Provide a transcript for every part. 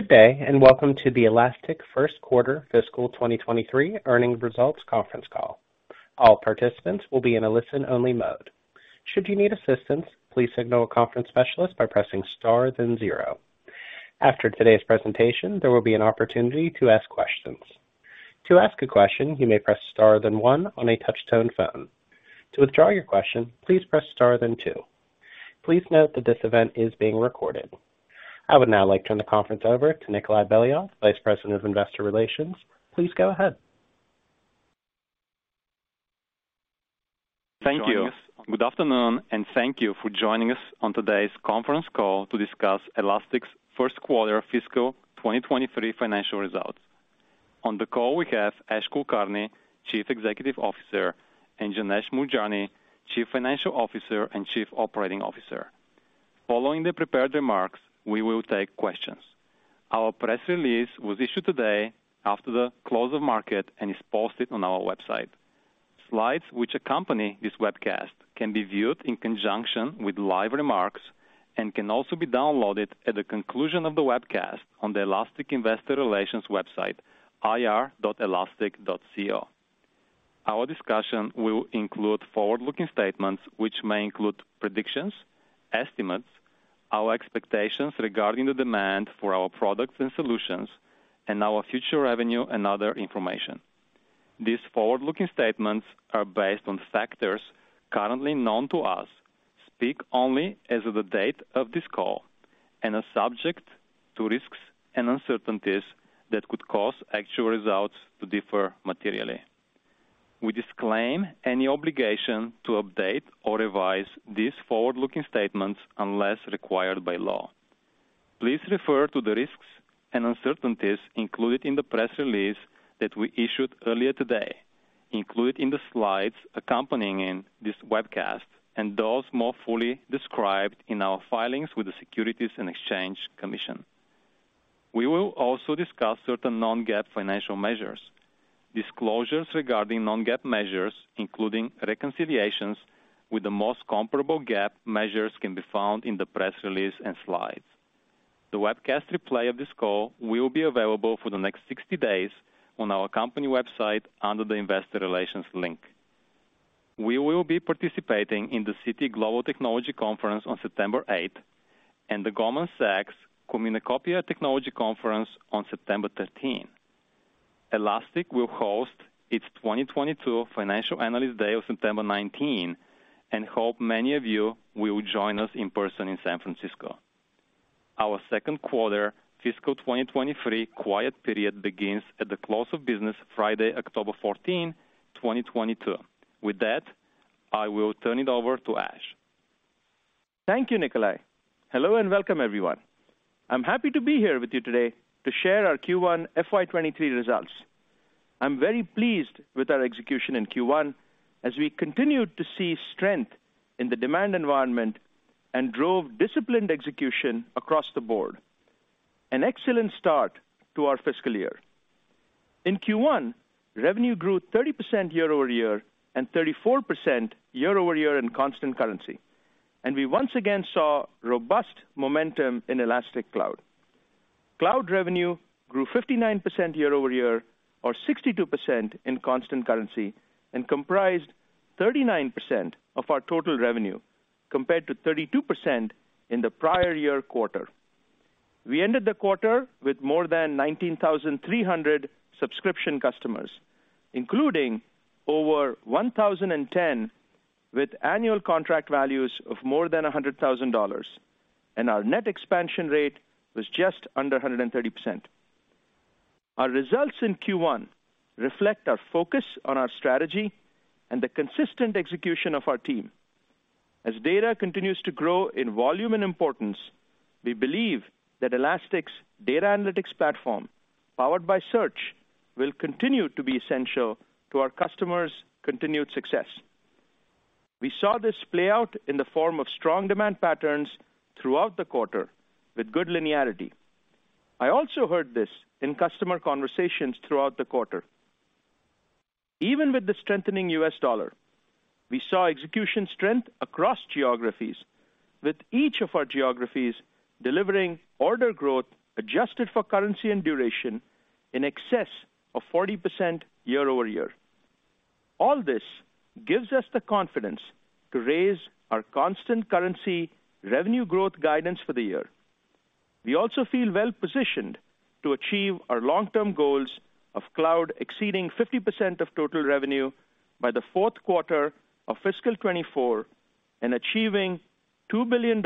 Good day, and welcome to the Elastic First Quarter Fiscal 2023 Earnings Results Conference Call. All participants will be in a listen-only mode. Should you need assistance, please signal a conference specialist by pressing star then zero. After today's presentation, there will be an opportunity to ask questions. To ask a question, you may press star then one on a touch-tone phone. To withdraw your question, please press star then two. Please note that this event is being recorded. I would now like to turn the conference over to Nikolay Beliov, Vice President of Investor Relations. Please go ahead. Thank you. Good afternoon, and thank you for joining us on today's conference call to discuss Elastic's first quarter fiscal 2023 financial results. On the call, we have Ash Kulkarni, Chief Executive Officer, and Janesh Moorjani, Chief Financial Officer and Chief Operating Officer. Following the prepared remarks, we will take questions. Our press release was issued today after the close of market and is posted on our website. Slides which accompany this webcast can be viewed in conjunction with live remarks and can also be downloaded at the conclusion of the webcast on the Elastic Investor Relations website ir.elastic.co. Our discussion will include forward-looking statements which may include predictions, estimates, our expectations regarding the demand for our products and solutions, and our future revenue and other information. These forward-looking statements are based on factors currently known to us, speak only as of the date of this call and are subject to risks and uncertainties that could cause actual results to differ materially. We disclaim any obligation to update or revise these forward-looking statements unless required by law. Please refer to the risks and uncertainties included in the press release that we issued earlier today, included in the slides accompanying this webcast, and those more fully described in our filings with the Securities and Exchange Commission. We will also discuss certain non-GAAP financial measures. Disclosures regarding non-GAAP measures, including reconciliations with the most comparable GAAP measures, can be found in the press release and slides. The webcast replay of this call will be available for the next 60 days on our company website under the Investor Relations link. We will be participating in the Citi Global Technology Conference on September 8th and the Goldman Sachs Communacopia + Technology Conference on September 13. Elastic will host its 2022 Financial Analyst Day on September 19 and hope many of you will join us in person in San Francisco. Our second quarter fiscal 2023 quiet period begins at the close of business Friday, October 14th, 2022. With that, I will turn it over to Ash. Thank you, Nikolay. Hello and welcome, everyone. I'm happy to be here with you today to share our Q1 FY 2023 results. I'm very pleased with our execution in Q1 as we continued to see strength in the demand environment and drove disciplined execution across the board. An excellent start to our fiscal year. In Q1, revenue grew 30% year-over-year and 34% year-over-year in constant currency, and we once again saw robust momentum in Elastic Cloud. Cloud revenue grew 59% year-over-year or 62% in constant currency and comprised 39% of our total revenue, compared to 32% in the prior year quarter. We ended the quarter with more than 19,300 subscription customers, including over 1,010 with annual contract values of more than $100,000, and our net expansion rate was just under 130%. Our results in Q1 reflect our focus on our strategy and the consistent execution of our team. As data continues to grow in volume and importance, we believe that Elastic's data analytics platform, powered by Search, will continue to be essential to our customers' continued success. We saw this play out in the form of strong demand patterns throughout the quarter with good linearity. I also heard this in customer conversations throughout the quarter. Even with the strengthening US dollar, we saw execution strength across geographies, with each of our geographies delivering order growth adjusted for currency and duration in excess of 40% year-over-year. All this gives us the confidence to raise our constant currency revenue growth guidance for the year. We also feel well positioned to achieve our long-term goals of cloud exceeding 50% of total revenue by the fourth quarter of fiscal 2024 and achieving $2 billion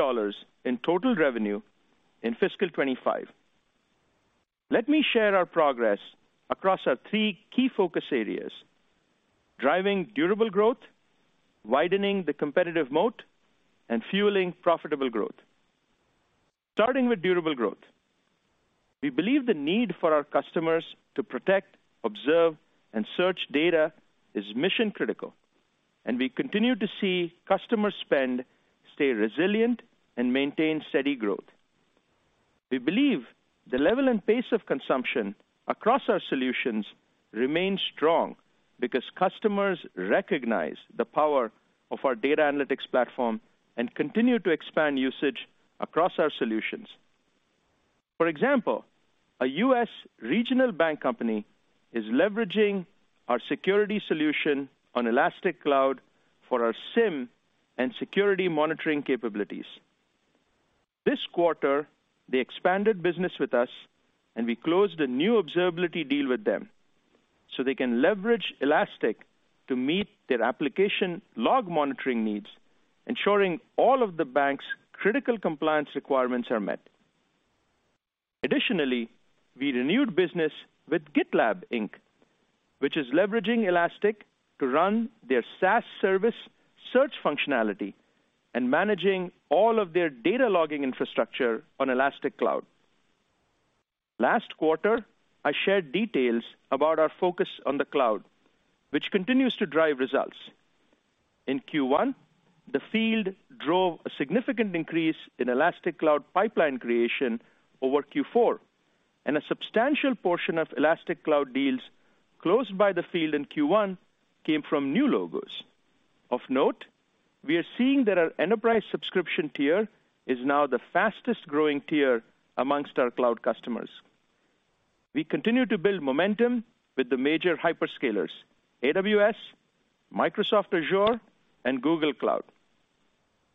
in total revenue in fiscal 2025. Let me share our progress across our three key focus areas, driving durable growth, widening the competitive moat, and fueling profitable growth. Starting with durable growth, we believe the need for our customers to protect, observe, and search data is mission critical, and we continue to see customer spend stay resilient and maintain steady growth. We believe the level and pace of consumption across our solutions remains strong. Because customers recognize the power of our data analytics platform and continue to expand usage across our solutions. For example, a U.S. regional bank company is leveraging our security solution on Elastic Cloud for our SIEM and security monitoring capabilities. This quarter, they expanded business with us, and we closed a new observability deal with them so they can leverage Elastic to meet their application log monitoring needs, ensuring all of the bank's critical compliance requirements are met. Additionally, we renewed business with GitLab Inc., which is leveraging Elastic to run their SaaS service search functionality and managing all of their data logging infrastructure on Elastic Cloud. Last quarter, I shared details about our focus on the cloud, which continues to drive results. In Q1, the field drove a significant increase in Elastic Cloud pipeline creation over Q4, and a substantial portion of Elastic Cloud deals closed by the field in Q1 came from new logos. Of note, we are seeing that our enterprise subscription tier is now the fastest-growing tier amongst our cloud customers. We continue to build momentum with the major hyperscalers, AWS, Microsoft Azure, and Google Cloud.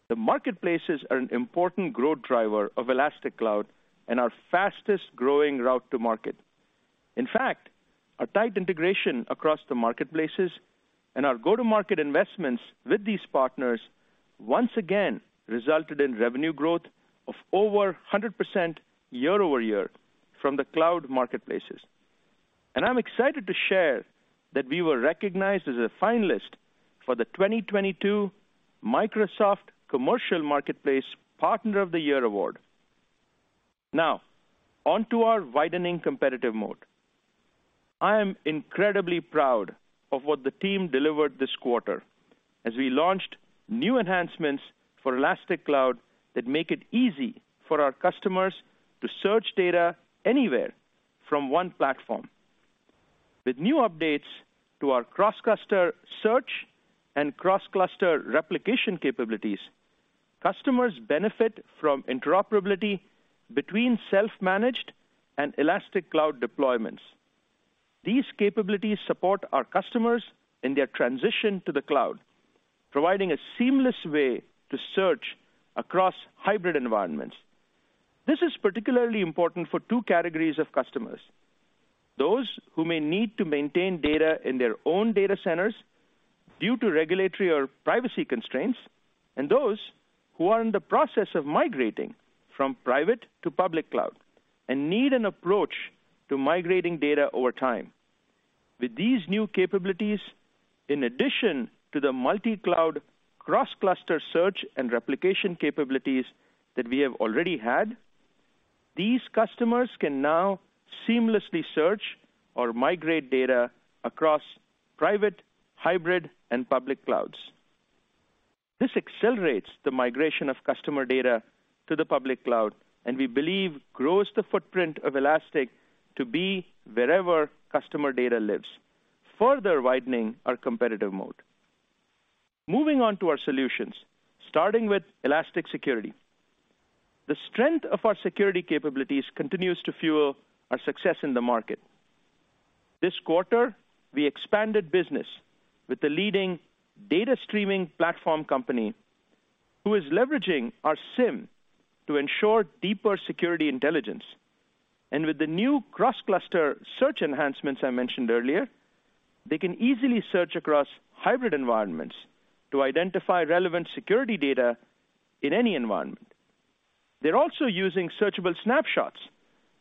The marketplaces are an important growth driver of Elastic Cloud and our fastest-growing route to market. In fact, our tight integration across the marketplaces and our go-to-market investments with these partners once again resulted in revenue growth of over 100% year-over-year from the cloud marketplaces. I'm excited to share that we were recognized as a finalist for the 2022 Microsoft Commercial Marketplace Partner of the Year Award. Now on to our widening competitive moat. I am incredibly proud of what the team delivered this quarter as we launched new enhancements for Elastic Cloud that make it easy for our customers to search data anywhere from one platform. With new updates to our cross-cluster search and cross-cluster replication capabilities, customers benefit from interoperability between self-managed and Elastic Cloud deployments. These capabilities support our customers in their transition to the cloud, providing a seamless way to search across hybrid environments. This is particularly important for two categories of customers, those who may need to maintain data in their own data centers due to regulatory or privacy constraints, and those who are in the process of migrating from private to public cloud and need an approach to migrating data over time. With these new capabilities, in addition to the multi-cloud cross-cluster search and replication capabilities that we have already had, these customers can now seamlessly search or migrate data across private, hybrid, and public clouds. This accelerates the migration of customer data to the public cloud, and we believe grows the footprint of Elastic to be wherever customer data lives, further widening our competitive moat. Moving on to our solutions, starting with Elastic Security. The strength of our security capabilities continues to fuel our success in the market. This quarter, we expanded business with the leading data streaming platform company who is leveraging our SIEM to ensure deeper security intelligence. With the new cross-cluster search enhancements I mentioned earlier, they can easily search across hybrid environments to identify relevant security data in any environment. They're also using searchable snapshots,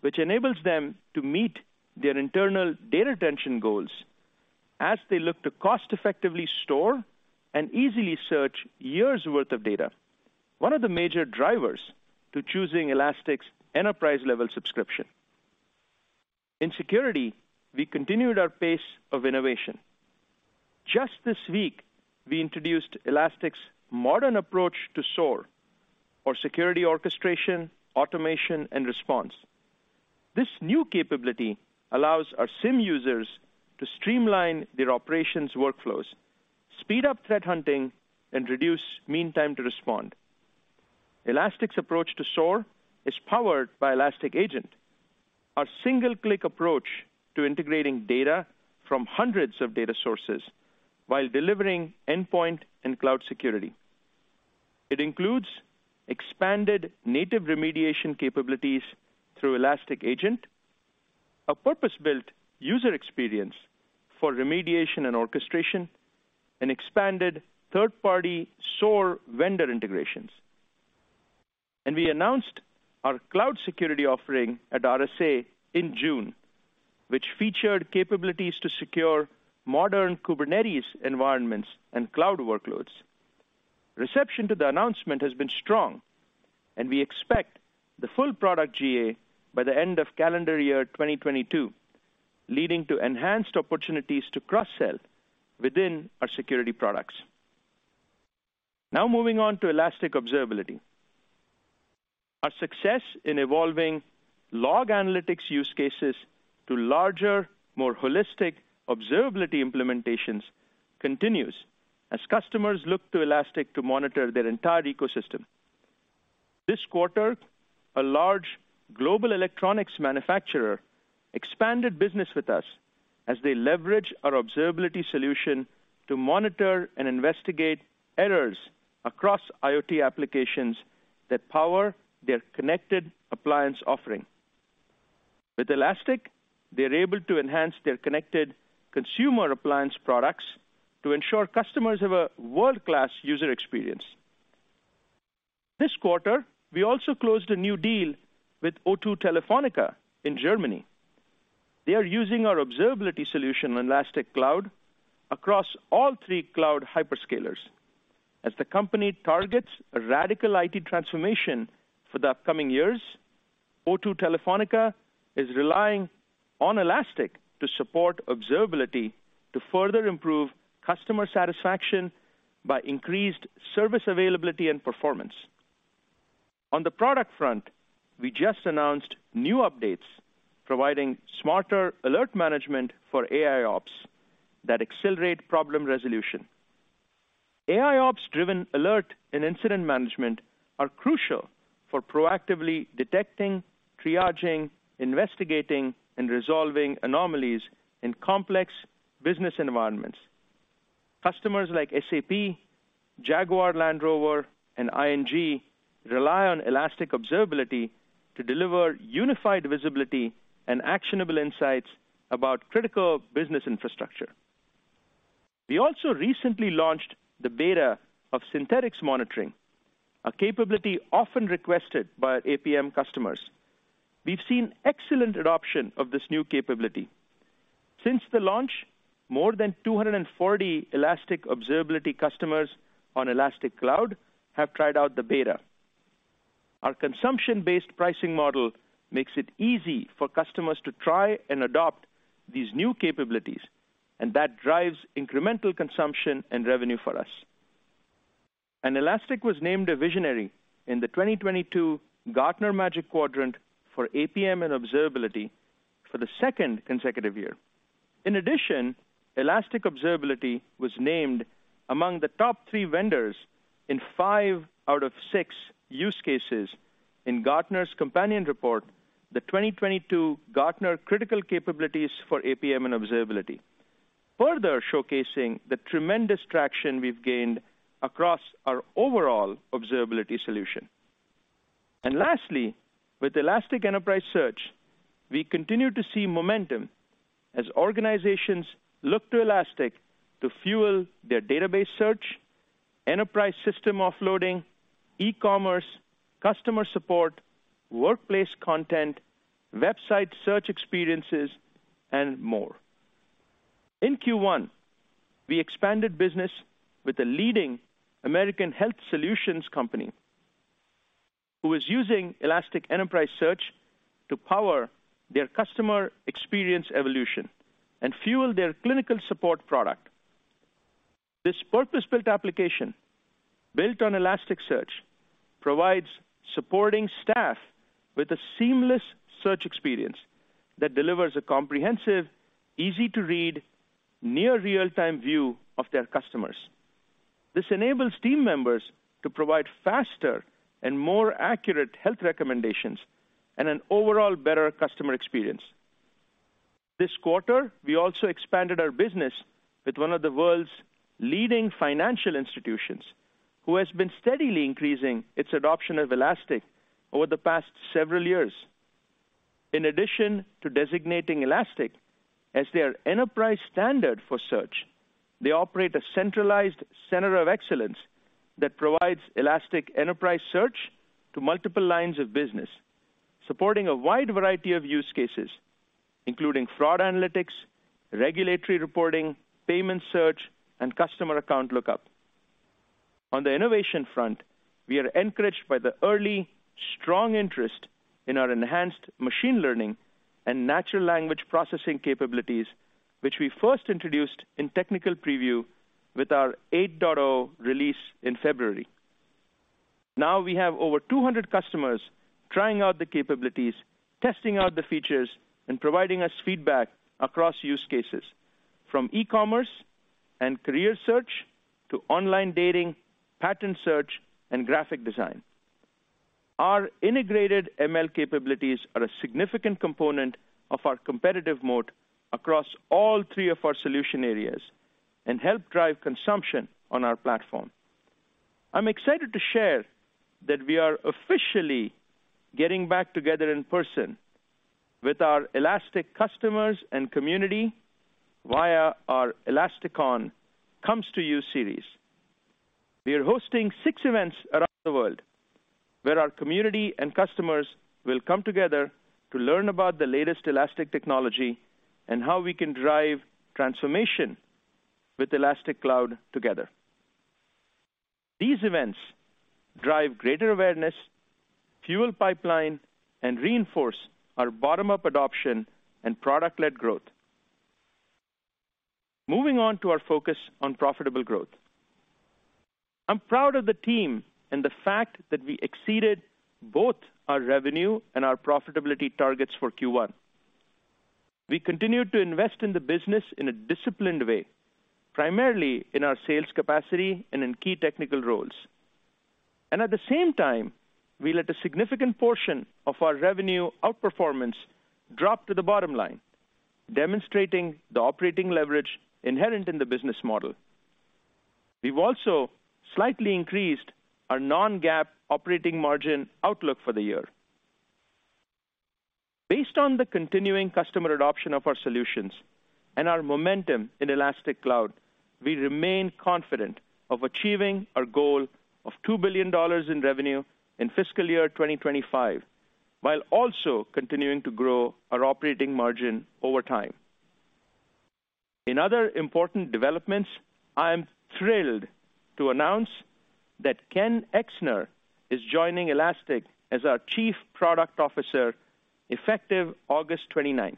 which enables them to meet their internal data retention goals as they look to cost-effectively store and easily search years' worth of data, one of the major drivers to choosing Elastic's enterprise-level subscription. In security, we continued our pace of innovation. Just this week, we introduced Elastic's modern approach to SOAR, or Security Orchestration, Automation, and Response. Th.s new capability allows our SIEM users to streamline their operations workflows, speed up threat hunting, and reduce mean time to respond. Elastic's approach to SOAR is powered by Elastic Agent, our single-click approach to integrating data from hundreds of data sources while delivering endpoint and cloud security. It includes expanded native remediation capabilities through Elastic Agent, a purpose-built user experience for remediation and orchestration, and expanded third-party SOAR vendor integrations. We announced our cloud security offering at RSA in June, which featured capabilities to secure modern Kubernetes environments and cloud workloads. Reception to the announcement has been strong, and we expect the full product GA by the end of calendar year 2022, leading to enhanced opportunities to cross-sell within our security products. Now moving on to Elastic Observability. Our success in evolving log analytics use cases to larger, more holistic observability implementations continues as customers look to Elastic to monitor their entire ecosystem. This quarter, a large global electronics manufacturer expanded business with us as they leverage our observability solution to monitor and investigate errors across IoT applications that power their connected appliance offering. With Elastic, they're able to enhance their connected consumer appliance products to ensure customers have a world-class user experience. This quarter, we also closed a new deal with O2 Telefónica in Germany. They are using our observability solution on Elastic Cloud across all three cloud hyperscalers. As the company targets a radical IT transformation for the upcoming years, O2 Telefónica is relying on Elastic to support observability to further improve customer satisfaction by increased service availability and performance. On the product front, we just announced new updates providing smarter alert management for AIOps that accelerate problem resolution. AIOps-driven alert and incident management are crucial for proactively detecting, triaging, investigating, and resolving anomalies in complex business environments. Customers like SAP, Jaguar Land Rover, and ING rely on Elastic Observability to deliver unified visibility and actionable insights about critical business infrastructure. We also recently launched the beta of Synthetic Monitoring, a capability often requested by our APM customers. We've seen excellent adoption of this new capability. Since the launch, more than 240 Elastic Observability customers on Elastic Cloud have tried out the beta. Our consumption-based pricing model makes it easy for customers to try and adopt these new capabilities, and that drives incremental consumption and revenue for us. Elastic was named a visionary in the 2022 Gartner Magic Quadrant for APM and Observability for the second consecutive year. In addition, Elastic Observability was named among the top three vendors in five out of six use cases in Gartner's companion report, the "2022 Gartner Critical Capabilities for APM and Observability," further showcasing the tremendous traction we've gained across our overall observability solution. Lastly, with Elastic Enterprise Search, we continue to see momentum as organizations look to Elastic to fuel their database search, enterprise system offloading, e-commerce, customer support, workplace content, website search experiences, and more. In Q1, we expanded business with a leading American health solutions company who is using Elastic Enterprise Search to power their customer experience evolution and fuel their clinical support product. This purpose-built application, built on Elasticsearch, provides supporting staff with a seamless search experience that delivers a comprehensive, easy-to-read, near real-time view of their customers. This enables team members to provide faster and more accurate health recommendations and an overall better customer experience. This quarter, we also expanded our business with one of the world's leading financial institutions, who has been steadily increasing its adoption of Elastic over the past several years. In addition to designating Elastic as their enterprise standard for search, they operate a centralized center of excellence that provides Elastic Enterprise Search to multiple lines of business, supporting a wide variety of use cases, including fraud analytics, regulatory reporting, payment search, and customer account lookup. On the innovation front, we are encouraged by the early strong interest in our enhanced machine learning and natural language processing capabilities, which we first introduced in technical preview with our 8.0 release in February. Now we have over 200 customers trying out the capabilities, testing out the features, and providing us feedback across use cases from e-commerce and career search to online dating, patent search, and graphic design. Our integrated ML capabilities are a significant component of our competitive mode across all three of our solution areas and help drive consumption on our platform. I'm excited to share that we are officially getting back together in person with our Elastic customers and community via our ElasticON Comes to You series. We are hosting six events around the world where our community and customers will come together to learn about the latest Elastic technology and how we can drive transformation with Elastic Cloud together. These events drive greater awareness, fuel pipeline, and reinforce our bottom-up adoption and product-led growth. Moving on to our focus on profitable growth. I'm proud of the team and the fact that we exceeded both our revenue and our profitability targets for Q1. We continued to invest in the business in a disciplined way, primarily in our sales capacity and in key technical roles. At the same time, we let a significant portion of our revenue outperformance drop to the bottom line, demonstrating the operating leverage inherent in the business model. We've also slightly increased our non-GAAP operating margin outlook for the year. Based on the continuing customer adoption of our solutions and our momentum in Elastic Cloud, we remain confident of achieving our goal of $2 billion in revenue in fiscal year 2025, while also continuing to grow our operating margin over time. In other important developments, I am thrilled to announce that Ken Exner is joining Elastic as our Chief Product Officer effective August 29th.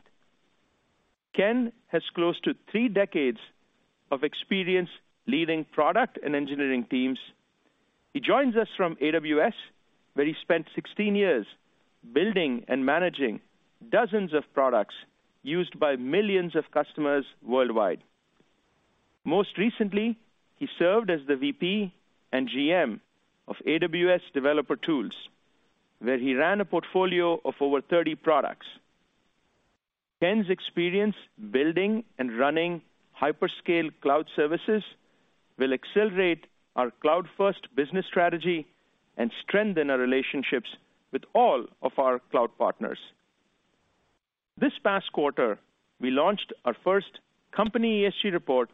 Ken has close to three decades of experience leading product and engineering teams. He joins us from AWS, where he spent 16 years building and managing dozens of products used by millions of customers worldwide. Most recently, he served as the VP and GM of AWS Developer Tools, where he ran a portfolio of over 30 products. Ken's experience building and running hyperscale cloud services will accelerate our cloud-first business strategy and strengthen our relationships with all of our cloud partners. This past quarter, we launched our first company ESG report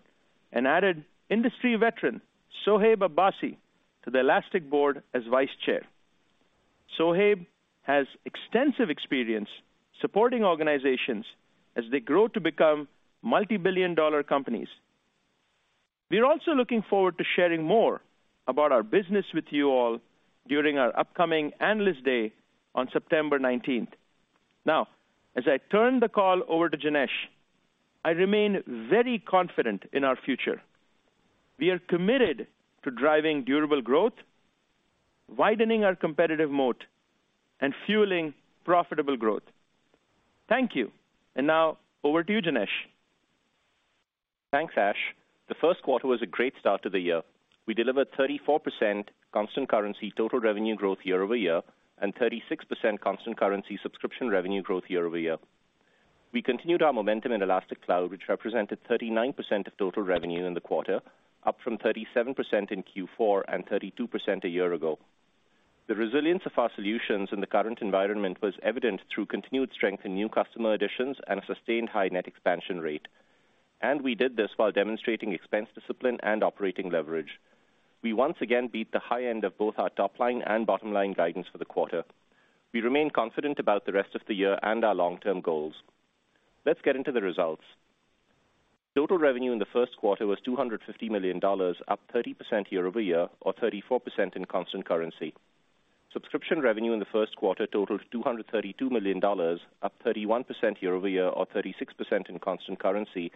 and added industry veteran, Sohaib Abbasi, to the Elastic board as Vice Chair. Sohaib has extensive experience supporting organizations as they grow to become multibillion-dollar companies. We're also looking forward to sharing more about our business with you all during our upcoming Analyst Day on September 19th. Now, as I turn the call over to Janesh, I remain very confident in our future. We are committed to driving durable growth, widening our competitive moat, and fueling profitable growth. Thank you. Now over to you, Janesh. Thanks, Ash. The first quarter was a great start to the year. We delivered 34% constant currency total revenue growth year-over-year and 36% constant currency subscription revenue growth year-over-year. We continued our momentum in Elastic Cloud, which represented 39% of total revenue in the quarter, up from 37% in Q4 and 32% a year ago. The resilience of our solutions in the current environment was evident through continued strength in new customer additions and a sustained high net expansion rate. We did this while demonstrating expense discipline and operating leverage. We once again beat the high end of both our top line and bottom line guidance for the quarter. We remain confident about the rest of the year and our long-term goals. Let's get into the results. Total revenue in the first quarter was $250 million, up 30% year-over-year or 34% in constant currency. Subscription revenue in the first quarter totaled $232 million, up 31% year-over-year or 36% in constant currency,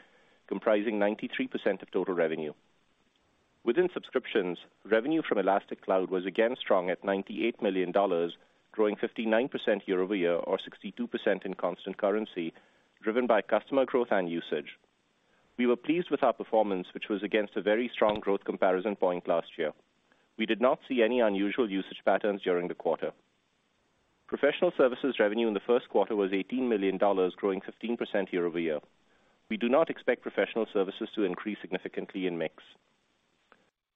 comprising 93% of total revenue. Within subscriptions, revenue from Elastic Cloud was again strong at $98 million, growing 59% year-over-year or 62% in constant currency, driven by customer growth and usage. We were pleased with our performance, which was against a very strong growth comparison point last year. We did not see any unusual usage patterns during the quarter. Professional services revenue in the first quarter was $18 million, growing 15% year-over-year. We do not expect professional services to increase significantly in mix.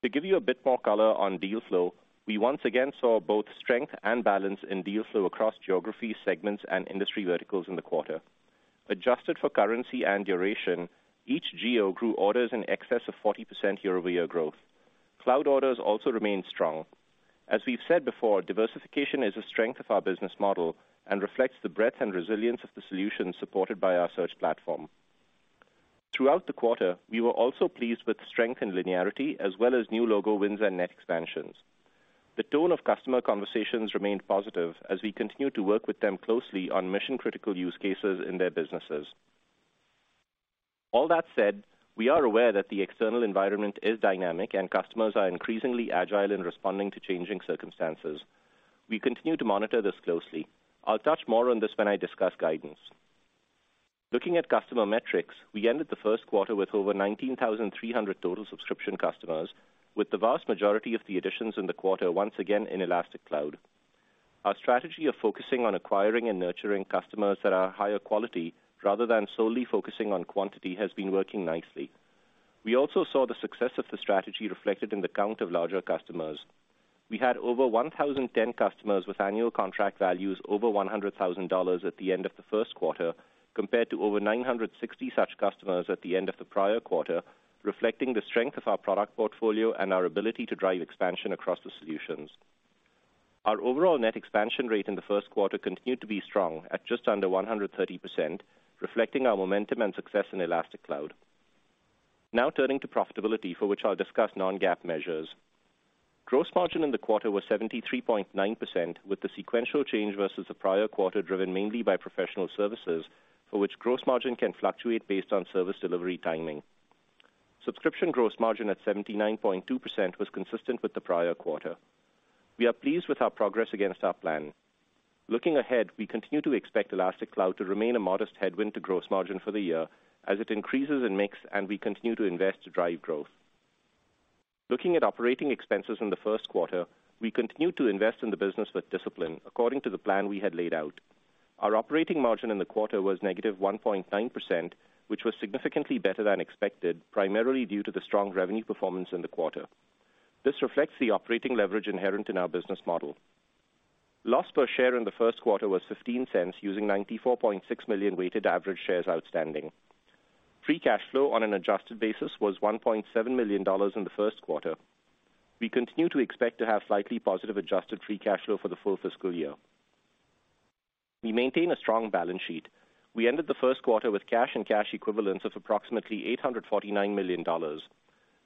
To give you a bit more color on deal flow, we once again saw both strength and balance in deal flow across geography, segments, and industry verticals in the quarter. Adjusted for currency and duration, each geo grew orders in excess of 40% year-over-year growth. Cloud orders also remained strong. As we've said before, diversification is a strength of our business model and reflects the breadth and resilience of the solutions supported by our search platform. Throughout the quarter, we were also pleased with strength in linearity as well as new logo wins and net expansions. The tone of customer conversations remained positive as we continued to work with them closely on mission-critical use cases in their businesses. All that said, we are aware that the external environment is dynamic and customers are increasingly agile in responding to changing circumstances. We continue to monitor this closely. I'll touch more on this when I discuss guidance. Looking at customer metrics, we ended the first quarter with over 19,300 total subscription customers, with the vast majority of the additions in the quarter once again in Elastic Cloud. Our strategy of focusing on acquiring and nurturing customers that are higher quality rather than solely focusing on quantity has been working nicely. We also saw the success of the strategy reflected in the count of larger customers. We had over 1,010 customers with annual contract values over $100,000 at the end of the first quarter, compared to over 960 such customers at the end of the prior quarter, reflecting the strength of our product portfolio and our ability to drive expansion across the solutions. Our overall net expansion rate in the first quarter continued to be strong at just under 130%, reflecting our momentum and success in Elastic Cloud. Now turning to profitability, for which I'll discuss non-GAAP measures. Gross margin in the quarter was 73.9% with the sequential change versus the prior quarter, driven mainly by professional services, for which gross margin can fluctuate based on service delivery timing. Subscription gross margin at 79.2% was consistent with the prior quarter. We are pleased with our progress against our plan. Looking ahead, we continue to expect Elastic Cloud to remain a modest headwind to gross margin for the year as it increases in mix and we continue to invest to drive growth. Looking at operating expenses in the first quarter, we continued to invest in the business with discipline according to the plan we had laid out. Our operating margin in the quarter was -1.9%, which was significantly better than expected, primarily due to the strong revenue performance in the quarter. This reflects the operating leverage inherent in our business model. Loss per share in the first quarter was $0.15, using 94.6 million weighted average shares outstanding. Free cash flow on an adjusted basis was $1.7 million in the first quarter. We continue to expect to have slightly positive adjusted free cash flow for the full fiscal year. We maintain a strong balance sheet. We ended the first quarter with cash and cash equivalents of approximately $849 million.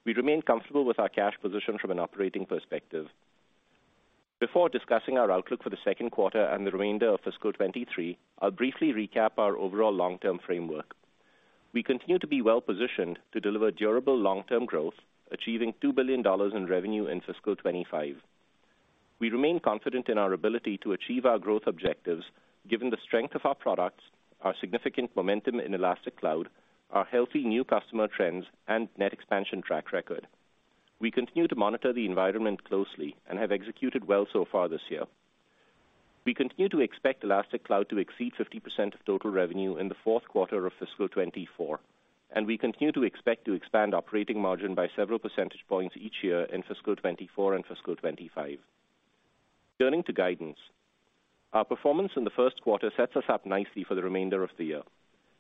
We remain comfortable with our cash position from an operating perspective. Before discussing our outlook for the second quarter and the remainder of fiscal 2023, I'll briefly recap our overall long-term framework. We continue to be well-positioned to deliver durable long-term growth, achieving $2 billion in revenue in fiscal 2025. We remain confident in our ability to achieve our growth objectives given the strength of our products, our significant momentum in Elastic Cloud, our healthy new customer trends, and net expansion track record. We continue to monitor the environment closely and have executed well so far this year. We continue to expect Elastic Cloud to exceed 50% of total revenue in the fourth quarter of fiscal 2024, and we continue to expect to expand operating margin by several percentage points each year in fiscal 2024 and fiscal 2025. Turning to guidance. Our performance in the first quarter sets us up nicely for the remainder of the year.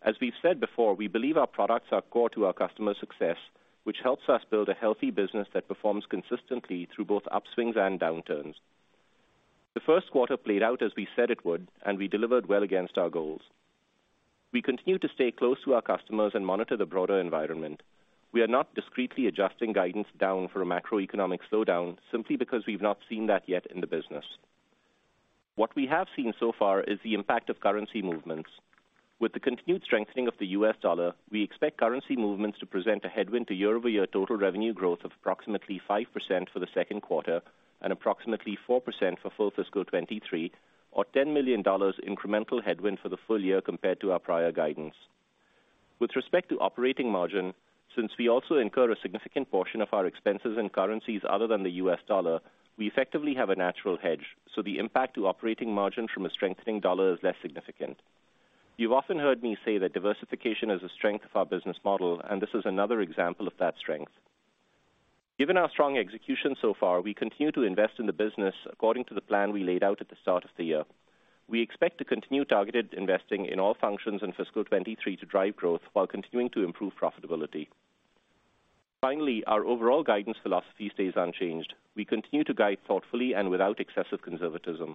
As we've said before, we believe our products are core to our customers' success, which helps us build a healthy business that performs consistently through both upswings and downturns. The first quarter played out as we said it would, and we delivered well against our goals. We continue to stay close to our customers and monitor the broader environment. We are not discreetly adjusting guidance down for a macroeconomic slowdown simply because we've not seen that yet in the business. What we have seen so far is the impact of currency movements. With the continued strengthening of the US dollar, we expect currency movements to present a headwind to year-over-year total revenue growth of approximately 5% for the second quarter and approximately 4% for full fiscal 2023, or $10 million incremental headwind for the full year compared to our prior guidance. With respect to operating margin, since we also incur a significant portion of our expenses in currencies other than the US dollar, we effectively have a natural hedge, so the impact to operating margin from a strengthening dollar is less significant. You've often heard me say that diversification is a strength of our business model, and this is another example of that strength. Given our strong execution so far, we continue to invest in the business according to the plan we laid out at the start of the year. We expect to continue targeted investing in all functions in fiscal 2023 to drive growth while continuing to improve profitability. Our overall guidance philosophy stays unchanged. We continue to guide thoughtfully and without excessive conservatism.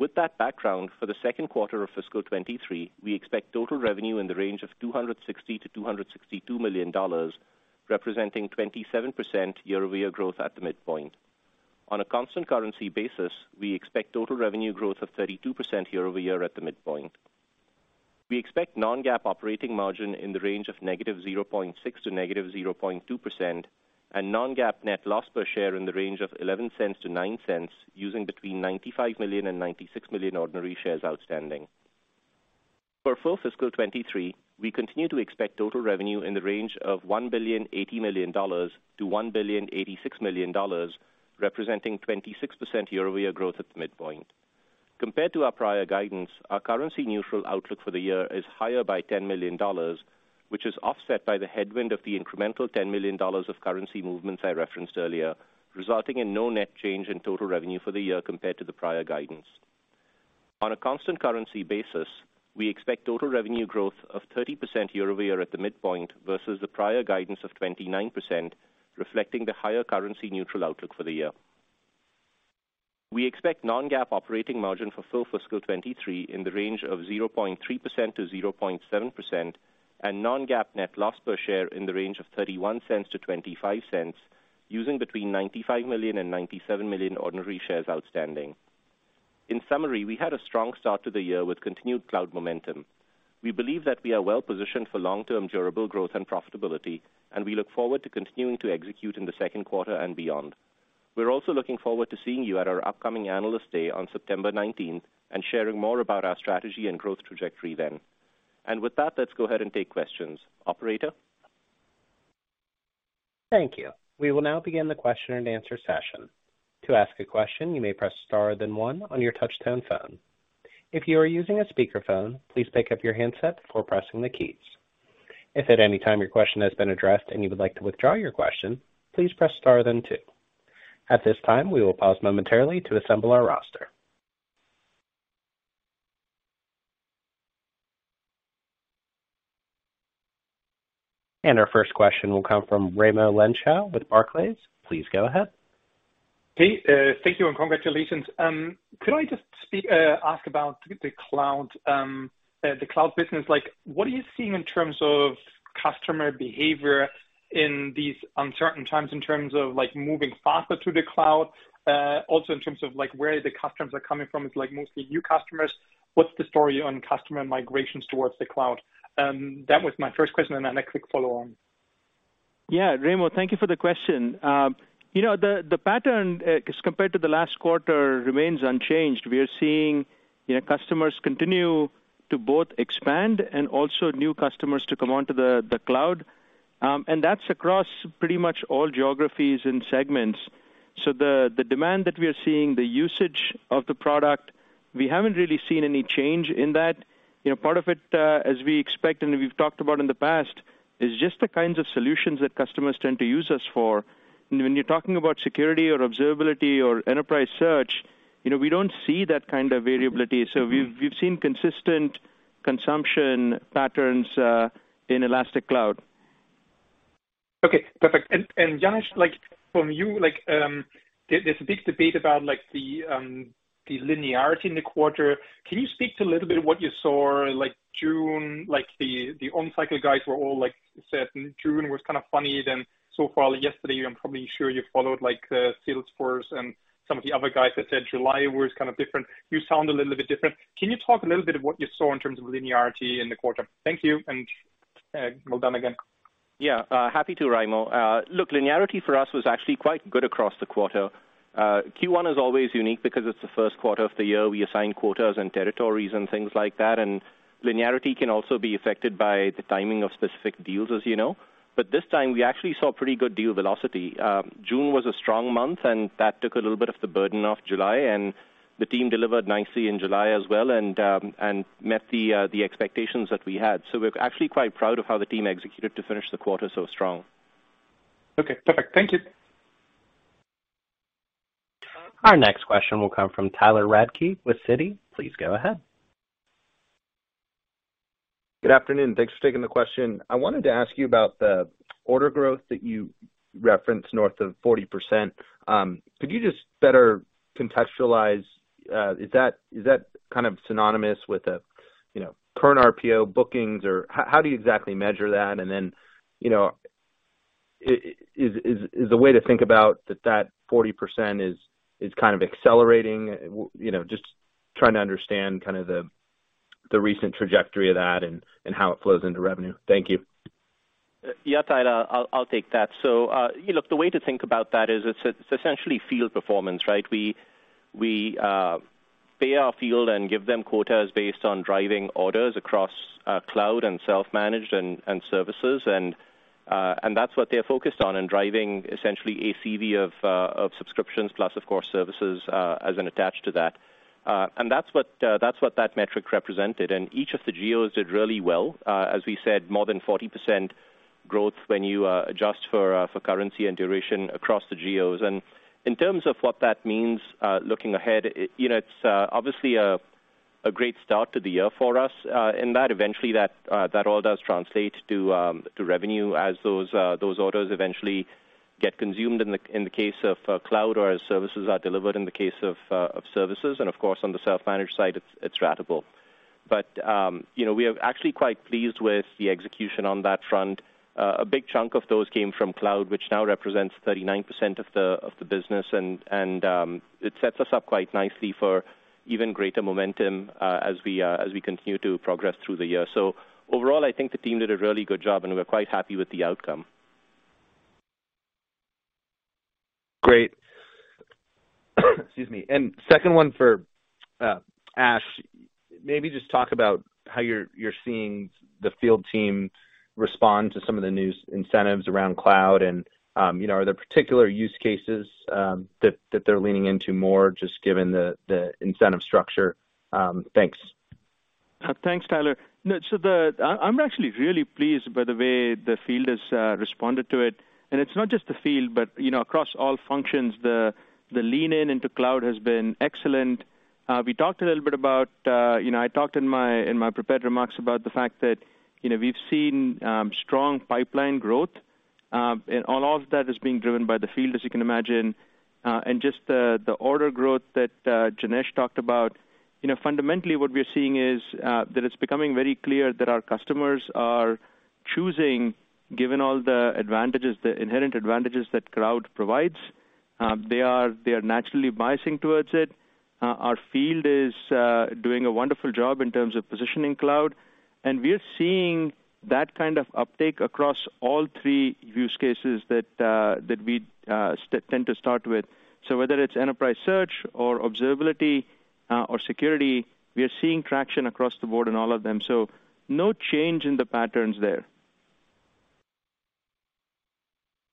With that background, for the second quarter of fiscal 2023, we expect total revenue in the range of $260 million-$262 million, representing 27% year-over-year growth at the midpoint. On a constant currency basis, we expect total revenue growth of 32% year-over-year at the midpoint. We expect non-GAAP operating margin in the range of -0.6% to -0.2% and non-GAAP net loss per share in the range of $0.11 to $0.09, using between 95 million and 96 million ordinary shares outstanding. For full fiscal 2023, we continue to expect total revenue in the range of $1.08 billion-$1.086 billion, representing 26% year-over-year growth at the midpoint. Compared to our prior guidance, our currency neutral outlook for the year is higher by $10 million, which is offset by the headwind of the incremental $10 million of currency movements I referenced earlier, resulting in no net change in total revenue for the year compared to the prior guidance. On a constant currency basis, we expect total revenue growth of 30% year-over-year at the midpoint versus the prior guidance of 29%, reflecting the higher currency neutral outlook for the year. We expect non-GAAP operating margin for full fiscal 2023 in the range of 0.3%-0.7% and non-GAAP net loss per share in the range of $0.31-$0.25, using between 95 million and 97 million ordinary shares outstanding. In summary, we had a strong start to the year with continued cloud momentum. We believe that we are well positioned for long-term durable growth and profitability, and we look forward to continuing to execute in the second quarter and beyond. We're also looking forward to seeing you at our upcoming Analyst Day on September 19th and sharing more about our strategy and growth trajectory then. With that, let's go ahead and take questions. Operator? Thank you. We will now begin the question-and-answer session. To ask a question, you may press star then one on your touch-tone phone. If you are using a speakerphone, please pick up your handset before pressing the keys. If at any time your question has been addressed and you would like to withdraw your question, please press star then two. At this time, we will pause momentarily to assemble our roster. Our first question will come from Raimo Lenschow with Barclays. Please go ahead. Hey, thank you and congratulations. Could I just ask about the cloud business? Like, what are you seeing in terms of customer behavior in these uncertain times in terms of like moving faster to the cloud? Also in terms of like where the customers are coming from, it's like mostly new customers. What's the story on customer migrations towards the cloud? That was my first question, and then a quick follow on. Yeah, Raimo, thank you for the question. You know, the pattern as compared to the last quarter remains unchanged. We are seeing, you know, customers continue to both expand and also new customers to come onto the cloud. That's across pretty much all geographies and segments. The demand that we are seeing, the usage of the product, we haven't really seen any change in that. You know, part of it, as we expect and we've talked about in the past, is just the kinds of solutions that customers tend to use us for. When you're talking about security or observability or enterprise search, you know, we don't see that kind of variability. We've seen consistent consumption patterns in Elastic Cloud. Okay, perfect. Janesh, like from you, like, there's a big debate about like the linearity in the quarter. Can you speak to a little bit of what you saw, like June, like the on-cycle guys were all like said June was kind of funny then. So yesterday, I'm probably sure you followed like, Salesforce and some of the other guys that said July was kind of different. You sound a little bit different. Can you talk a little bit of what you saw in terms of linearity in the quarter? Thank you, well done again. Yeah, happy to, Raimo. Look, linearity for us was actually quite good across the quarter. Q1 is always unique because it's the first quarter of the year. We assign quotas and territories and things like that, and linearity can also be affected by the timing of specific deals, as you know. This time we actually saw pretty good deal velocity. June was a strong month, and that took a little bit of the burden off July, and the team delivered nicely in July as well and met the expectations that we had. We're actually quite proud of how the team executed to finish the quarter so strong. Okay, perfect. Thank you. Our next question will come from Tyler Radke with Citi. Please go ahead. Good afternoon. Thanks for taking the question. I wanted to ask you about the order growth that you referenced north of 40%. Could you just better contextualize, is that kind of synonymous with the, you know, current RPO bookings, or how do you exactly measure that? You know, is the way to think about that 40% is kind of accelerating. You know, just trying to understand kind of the recent trajectory of that and how it flows into revenue. Thank you. Yeah, Tyler, I'll take that. So, you know, look, the way to think about that is it's essentially field performance, right? We pay our field and give them quotas based on driving orders across cloud and self-managed and services. That's what they're focused on, driving essentially ACV of subscriptions plus of course services as an add-on to that. That's what that metric represented. Each of the geos did really well. As we said, more than 40% growth when you adjust for currency and duration across the geos. In terms of what that means, looking ahead, you know, it's obviously a great start to the year for us, in that eventually that all does translate to revenue as those orders eventually get consumed in the case of cloud or as services are delivered in the case of services. Of course, on the self-managed side, it's ratable. You know, we are actually quite pleased with the execution on that front. A big chunk of those came from cloud, which now represents 39% of the business and it sets us up quite nicely for even greater momentum as we continue to progress through the year. Overall, I think the team did a really good job, and we're quite happy with the outcome. Great. Excuse me. Second one for Ash, maybe just talk about how you're seeing the field team respond to some of the new incentives around cloud. You know, are there particular use cases that they're leaning into more just given the incentive structure? Thanks. Thanks, Tyler. No, I'm actually really pleased by the way the field has responded to it, and it's not just the field, but you know, across all functions, the lean into cloud has been excellent. We talked a little bit about, you know, I talked in my prepared remarks about the fact that, you know, we've seen strong pipeline growth, and all of that is being driven by the field, as you can imagine. Just the order growth that Janesh talked about. You know, fundamentally what we are seeing is that it's becoming very clear that our customers are choosing, given all the advantages, the inherent advantages that cloud provides, they are naturally biasing towards it. Our field is doing a wonderful job in terms of positioning cloud, and we are seeing that kind of uptake across all three use cases that we tend to start with. Whether it's enterprise search or observability or security, we are seeing traction across the board in all of them, so no change in the patterns there.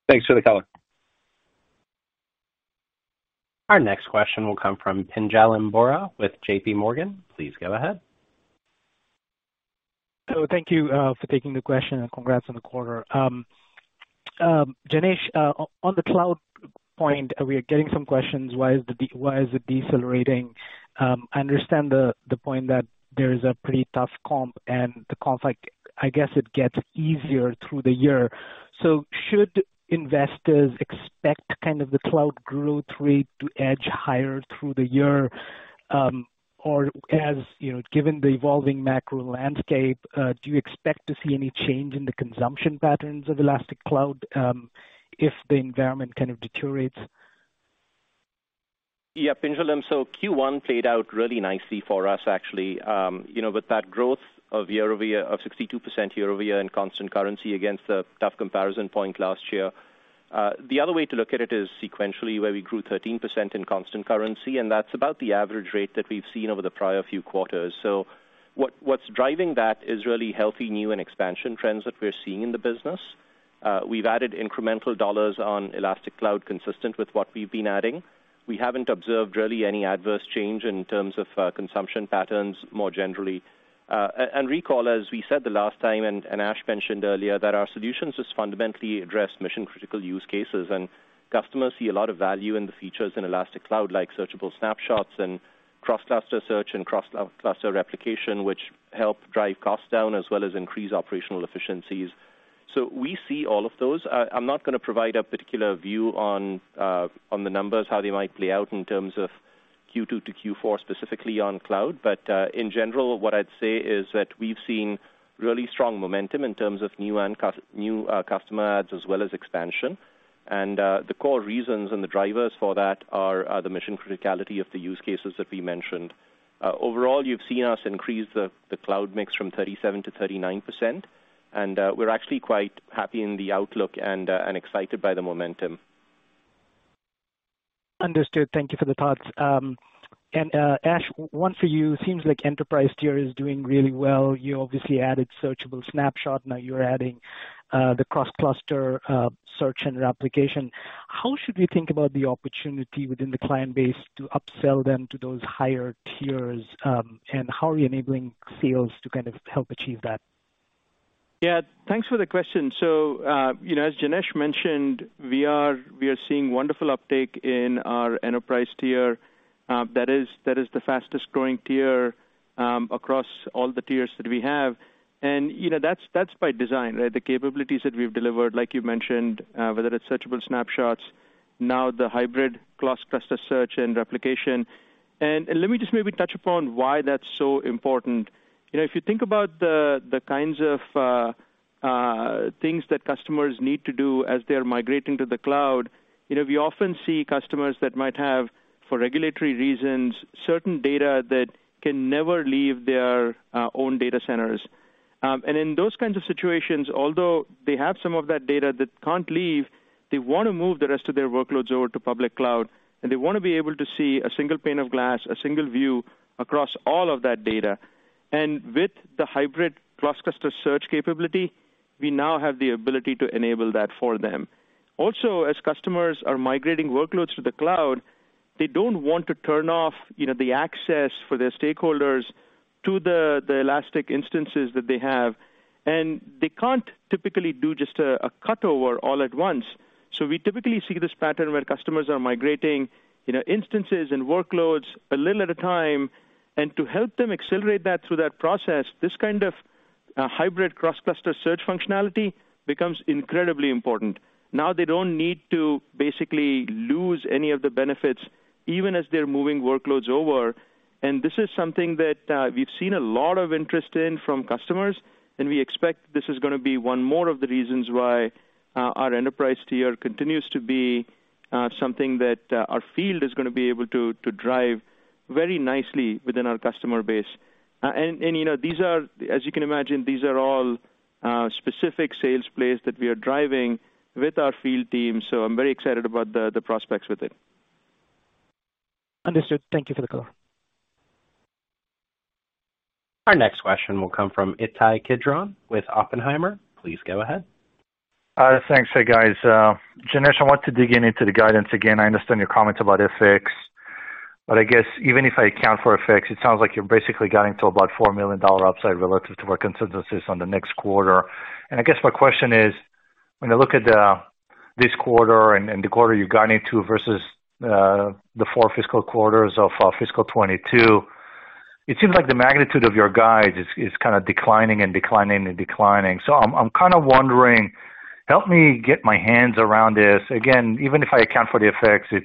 Thanks for the color. Our next question will come from Pinjalim Bora with JPMorgan. Please go ahead. Thank you for taking the question, and congrats on the quarter. Janesh, on the cloud point, we are getting some questions. Why is it decelerating? I understand the point that there is a pretty tough comp and the comp, like, I guess it gets easier through the year. Should investors expect kind of the cloud growth rate to edge higher through the year? Or as, you know, given the evolving macro landscape, do you expect to see any change in the consumption patterns of Elastic Cloud, if the environment kind of deteriorates? Yeah, Pinjalim, Q1 played out really nicely for us actually, you know, with that growth of 62% year-over-year in constant currency against a tough comparison point last year. The other way to look at it is sequentially where we grew 13% in constant currency, and that's about the average rate that we've seen over the prior few quarters. What's driving that is really healthy new and expansion trends that we're seeing in the business. We've added incremental dollars on Elastic Cloud consistent with what we've been adding. We haven't observed really any adverse change in terms of, consumption patterns more generally. Recall, as we said the last time and Ash mentioned earlier, that our solutions just fundamentally address mission-critical use cases, and customers see a lot of value in the features in Elastic Cloud like searchable snapshots and cross-cluster search and cross-cluster replication, which help drive costs down as well as increase operational efficiencies. We see all of those. I'm not gonna provide a particular view on the numbers, how they might play out in terms of Q2 to Q4, specifically on cloud. In general what I'd say is that we've seen really strong momentum in terms of new customer adds as well as expansion. The core reasons and the drivers for that are the mission criticality of the use cases that we mentioned. Overall, you've seen us increase the cloud mix from 37%-39%, and we're actually quite happy in the outlook and excited by the momentum. Understood. Thank you for the thoughts. Ash, one for you. Seems like Enterprise tier is doing really well. You obviously added searchable snapshots, now you're adding the cross-cluster search and replication. How should we think about the opportunity within the client base to upsell them to those higher tiers? How are you enabling sales to kind of help achieve that? Yeah. Thanks for the question. So, you know, as Janesh mentioned, we are seeing wonderful uptake in our Enterprise tier. That is the fastest growing tier across all the tiers that we have. You know, that's by design, right? The capabilities that we've delivered, like you mentioned, whether it's searchable snapshots, now the hybrid cross-cluster search and replication. Let me just maybe touch upon why that's so important. You know, if you think about the kinds of things that customers need to do as they're migrating to the cloud, you know, we often see customers that might have, for regulatory reasons, certain data that can never leave their own data centers. In those kinds of situations, although they have some of that data that can't leave, they wanna move the rest of their workloads over to public cloud, and they wanna be able to see a single pane of glass, a single view across all of that data. With the hybrid cross-cluster search capability, we now have the ability to enable that for them. Also, as customers are migrating workloads to the cloud, they don't want to turn off, you know, the access for their stakeholders to the Elastic instances that they have, and they can't typically do just a cutover all at once. We typically see this pattern where customers are migrating, you know, instances and workloads a little at a time. To help them accelerate that through that process, this kind of hybrid cross-cluster search functionality becomes incredibly important. Now they don't need to basically lose any of the benefits even as they're moving workloads over. This is something that we've seen a lot of interest in from customers, and we expect this is gonna be one more of the reasons why our Enterprise tier continues to be something that our field is gonna be able to drive very nicely within our customer base. And you know, as you can imagine, these are all specific sales plays that we are driving with our field team, so I'm very excited about the prospects with it. Understood. Thank you for the color. Our next question will come from Ittai Kidron with Oppenheimer. Please go ahead. Thanks. Hey, guys. Janesh, I want to dig in into the guidance again. I understand your comments about FX, but I guess even if I account for FX, it sounds like you're basically guiding to about $4 million upside relative to our consensus on the next quarter. I guess my question is, when I look at this quarter and the quarter you've gone into versus the four fiscal quarters of fiscal 2022, it seems like the magnitude of your guide is kinda declining declining and declining. I'm kind of wondering, help me get my hands around this. Again, even if I account for the FX, it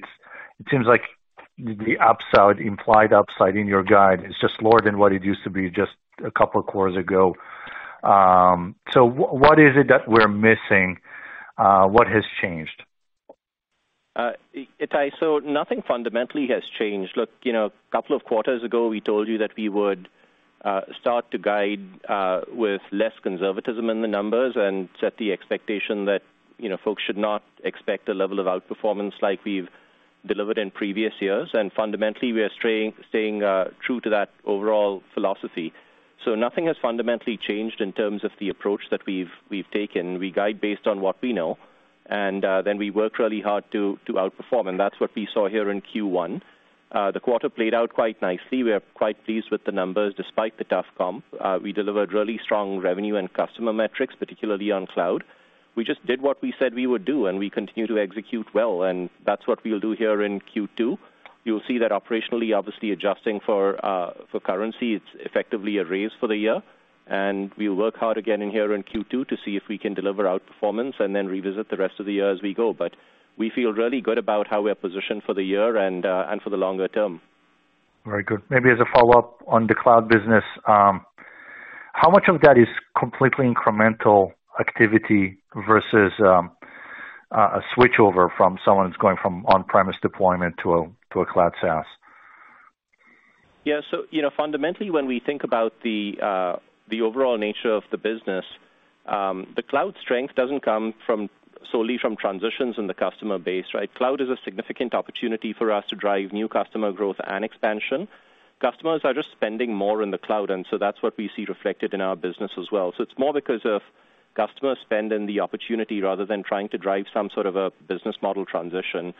seems like the upside, implied upside in your guide is just lower than what it used to be just a couple quarters ago. What is it that we're missing? What has changed? Ittai, nothing fundamentally has changed. Look, you know, a couple of quarters ago, we told you that we would start to guide with less conservatism in the numbers and set the expectation that, you know, folks should not expect the level of outperformance like we've delivered in previous years. Fundamentally, we are staying true to that overall philosophy. Nothing has fundamentally changed in terms of the approach that we've taken. We guide based on what we know, and then we work really hard to outperform, and that's what we saw here in Q1. The quarter played out quite nicely. We are quite pleased with the numbers despite the tough comp. We delivered really strong revenue and customer metrics, particularly on cloud. We just did what we said we would do, and we continue to execute well, and that's what we'll do here in Q2. You'll see that operationally, obviously adjusting for currency, it's effectively a raise for the year, and we work hard again in here in Q2 to see if we can deliver outperformance and then revisit the rest of the year as we go. We feel really good about how we are positioned for the year and for the longer term. Very good. Maybe as a follow-up on the cloud business, how much of that is completely incremental activity versus a switchover from someone who's going from on-premise deployment to a cloud SaaS? Yeah. You know, fundamentally, when we think about the overall nature of the business, the cloud strength doesn't come solely from transitions in the customer base, right?. Cloud is a significant opportunity for us to drive new customer growth and expansion. Customers are just spending more in the cloud, and that's what we see reflected in our business as well. It's more because of customer spend and the opportunity rather than trying to drive some sort of a business model transition.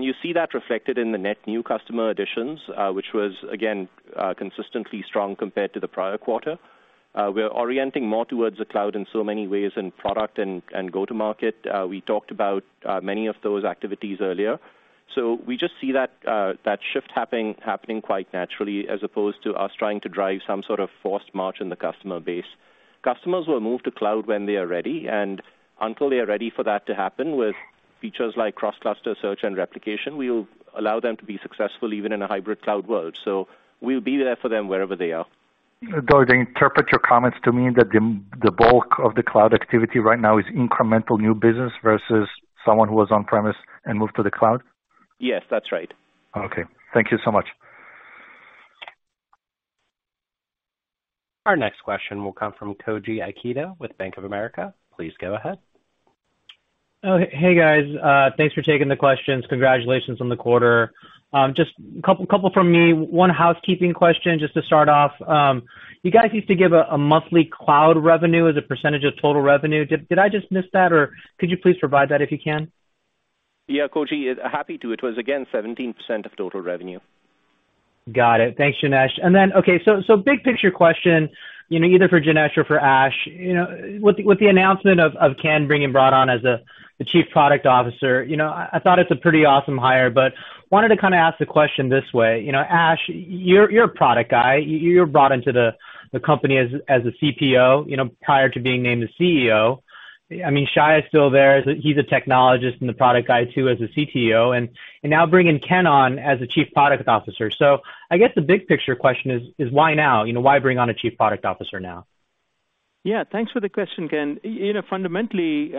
You see that reflected in the net new customer additions, which was again consistently strong compared to the prior quarter. We're orienting more towards the cloud in so many ways in product and go-to-market. We talked about many of those activities earlier. We just see that shift happening quite naturally, as opposed to us trying to drive some sort of forced march in the customer base. Customers will move to cloud when they are ready, and until they are ready for that to happen with features like cross-cluster search and replication, we'll allow them to be successful even in a hybrid cloud world. We'll be there for them wherever they are. Do I interpret your comments to mean that the bulk of the cloud activity right now is incremental new business versus someone who was on-premise and moved to the cloud? Yes, that's right. Okay. Thank you so much. Our next question will come from Koji Ikeda with Bank of America. Please go ahead. Oh, hey guys. Thanks for taking the questions. Congratulations on the quarter. Just a couple from me. One housekeeping question just to start off. You guys used to give a monthly cloud revenue as a percentage of total revenue. Did I just miss that or could you please provide that if you can? Yeah, Koji. Happy to. It was again 17% of total revenue. Got it. Thanks, Janesh. Then, okay, so big picture question, you know, either for Janesh or for Ash. You know, with the announcement of Ken being brought on as the Chief Product Officer. You know, I thought it's a pretty awesome hire, but wanted to kinda ask the question this way. You know, Ash, you're a product guy. You were brought into the company as a CPO, you know, prior to being named the CEO. I mean, Shay is still there. He's a technologist and the product guy too, as a CTO, and now bringing Ken on as a Chief Product Officer. I guess the big picture question is why now? You know, why bring on a Chief Product Officer now? Yeah. Thanks for the question, Ken. You know, fundamentally,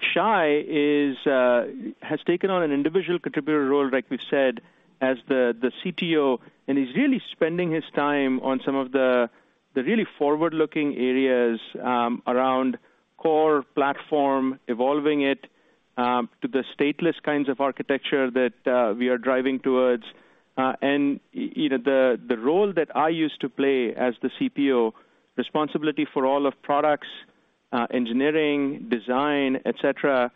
Shay has taken on an individual contributor role, like we've said, as the CTO, and he's really spending his time on some of the really forward-looking areas around core platform, evolving it to the stateless kinds of architecture that we are driving towards. You know, the role that I used to play as the CPO, responsibility for all of products, engineering, design, et cetera.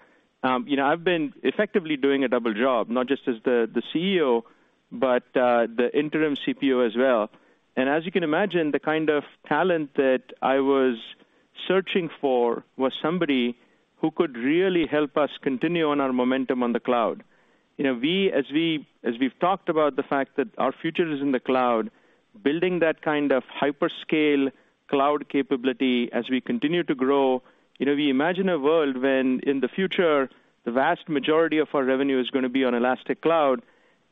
You know, I've been effectively doing a double job, not just as the CEO, but the interim CPO as well. As you can imagine, the kind of talent that I was searching for was somebody who could really help us continue on our momentum on the cloud. As we've talked about the fact that our future is in the cloud, building that kind of hyperscale cloud capability as we continue to grow. You know, we imagine a world when in the future, the vast majority of our revenue is gonna be on Elastic Cloud,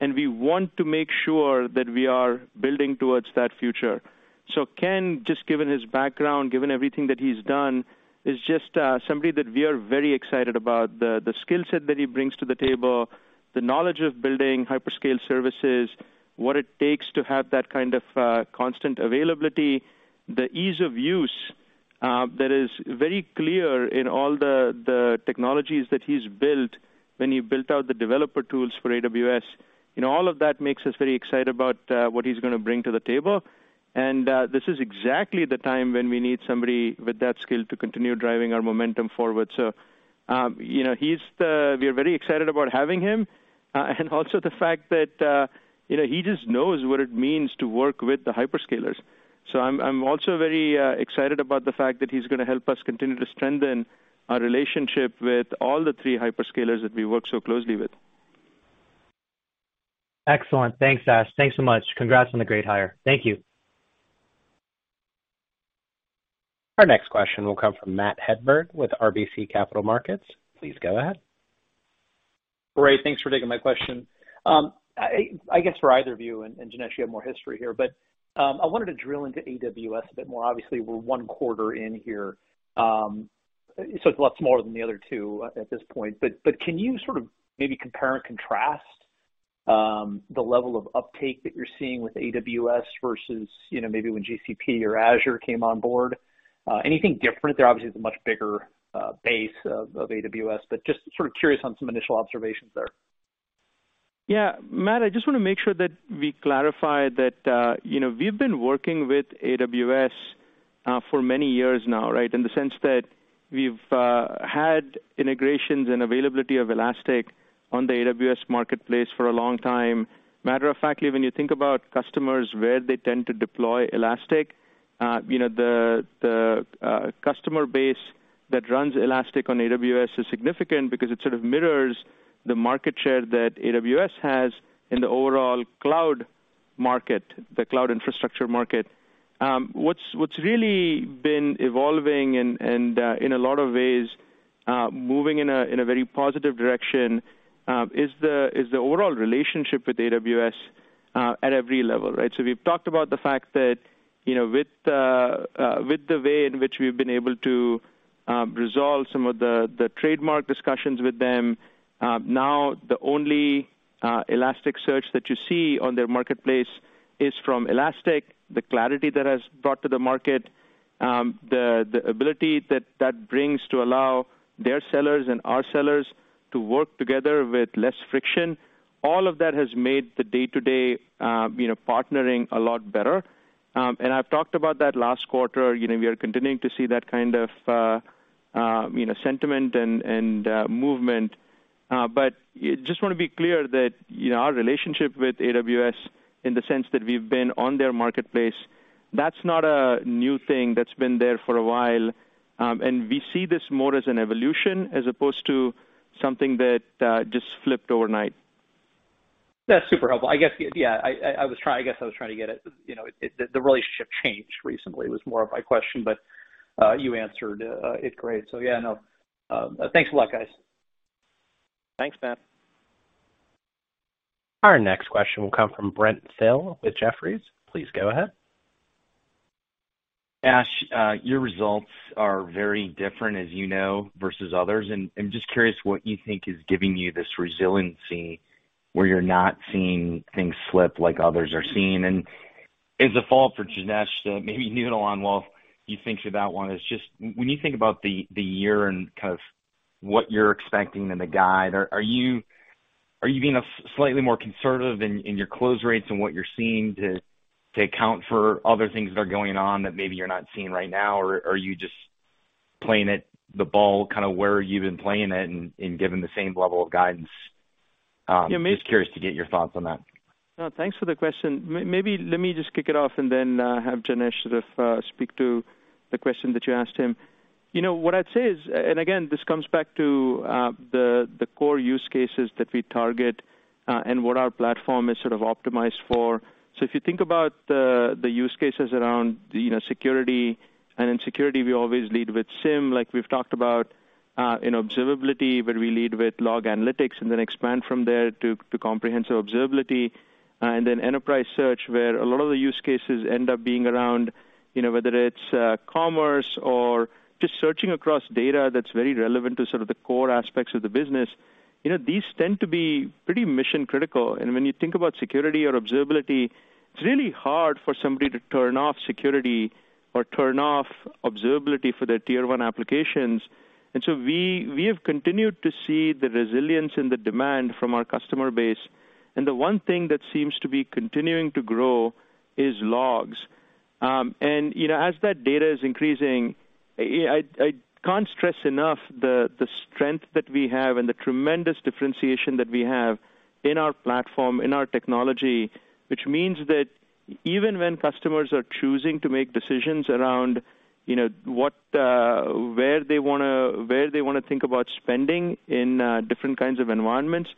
and we want to make sure that we are building towards that future. So Ken, just given his background, given everything that he's done, is just somebody that we are very excited about. The skill set that he brings to the table, the knowledge of building hyperscale services, what it takes to have that kind of constant availability, the ease of use that is very clear in all the technologies that he's built when he built out the developer tools for AWS. You know, all of that makes us very excited about what he's gonna bring to the table. This is exactly the time when we need somebody with that skill to continue driving our momentum forward. You know, we are very excited about having him, and also the fact that, you know, he just knows what it means to work with the hyperscalers. I'm also very excited about the fact that he's gonna help us continue to strengthen our relationship with all the three hyperscalers that we work so closely with. Excellent. Thanks, Ash. Thanks so much. Congrats on the great hire. Thank you. Our next question will come from Matt Hedberg with RBC Capital Markets. Please go ahead. Great. Thanks for taking my question. I guess for either of you, and Janesh, you have more history here, but I wanted to drill into AWS a bit more. Obviously, we're one quarter in here. It's a lot smaller than the other two at this point. Can you sort of maybe compare and contrast the level of uptake that you're seeing with AWS versus, you know, maybe when GCP or Azure came on board? Anything different? There obviously is a much bigger base of AWS, but just sort of curious on some initial observations there. Yeah. Matt, I just wanna make sure that we clarify that, you know, we've been working with AWS for many years now, right? In the sense that we've had integrations and availability of Elastic on the AWS marketplace for a long time. Matter of fact, even when you think about customers, where they tend to deploy Elastic, you know, the customer base that runs Elastic on AWS is significant because it sort of mirrors the market share that AWS has in the overall cloud market, the cloud infrastructure market. What's really been evolving and, in a lot of ways, moving in a very positive direction is the overall relationship with AWS at every level, right? We've talked about the fact that, you know, with the way in which we've been able to resolve some of the trademark discussions with them. Now the only Elasticsearch that you see on their marketplace is from Elastic. The clarity that has brought to the market, the ability that that brings to allow their sellers and our sellers to work together with less friction, all of that has made the day-to-day, you know, partnering a lot better. I've talked about that last quarter. You know, we are continuing to see that kind of, you know, sentiment and movement. Just wanna be clear that, you know, our relationship with AWS in the sense that we've been on their marketplace, that's not a new thing that's been there for a while. We see this more as an evolution as opposed to something that just flipped overnight. That's super helpful. I guess, yeah, I was trying to get it. You know, the relationship changed recently was more of my question, but you answered it great. Yeah, no. Thanks a lot, guys. Thanks, Matt. Our next question will come from Brent Thill with Jefferies. Please go ahead. Ash, your results are very different as you know, versus others. I'm just curious what you think is giving you this resiliency where you're not seeing things slip like others are seeing. Is the ball for Janesh to maybe noodle on while he thinks through that one. It's just when you think about the year and kind of what you're expecting in the guide, are you being slightly more conservative in your close rates and what you're seeing to account for other things that are going on that maybe you're not seeing right now? Are you just playing it, the ball, kinda where you've been playing it and giving the same level of guidance? Just curious to get your thoughts on that. No, thanks for the question. Maybe let me just kick it off and then have Janesh sort of speak to the question that you asked him. You know, what I'd say is, and again, this comes back to the core use cases that we target and what our platform is sort of optimized for. If you think about the use cases around, you know, security, and in security, we always lead with SIEM, like we've talked about, in observability, where we lead with log analytics and then expand from there to comprehensive observability, and then enterprise search, where a lot of the use cases end up being around, you know, whether it's commerce or just searching across data that's very relevant to sort of the core aspects of the business. You know, these tend to be pretty mission-critical. When you think about security or observability, it's really hard for somebody to turn off security or turn off observability for their tier one applications. We have continued to see the resilience and the demand from our customer base. The one thing that seems to be continuing to grow is logs. You know, as that data is increasing, I can't stress enough the strength that we have and the tremendous differentiation that we have in our platform, in our technology, which means that even when customers are choosing to make decisions around, you know, what, where they wanna think about spending in different kinds of environments,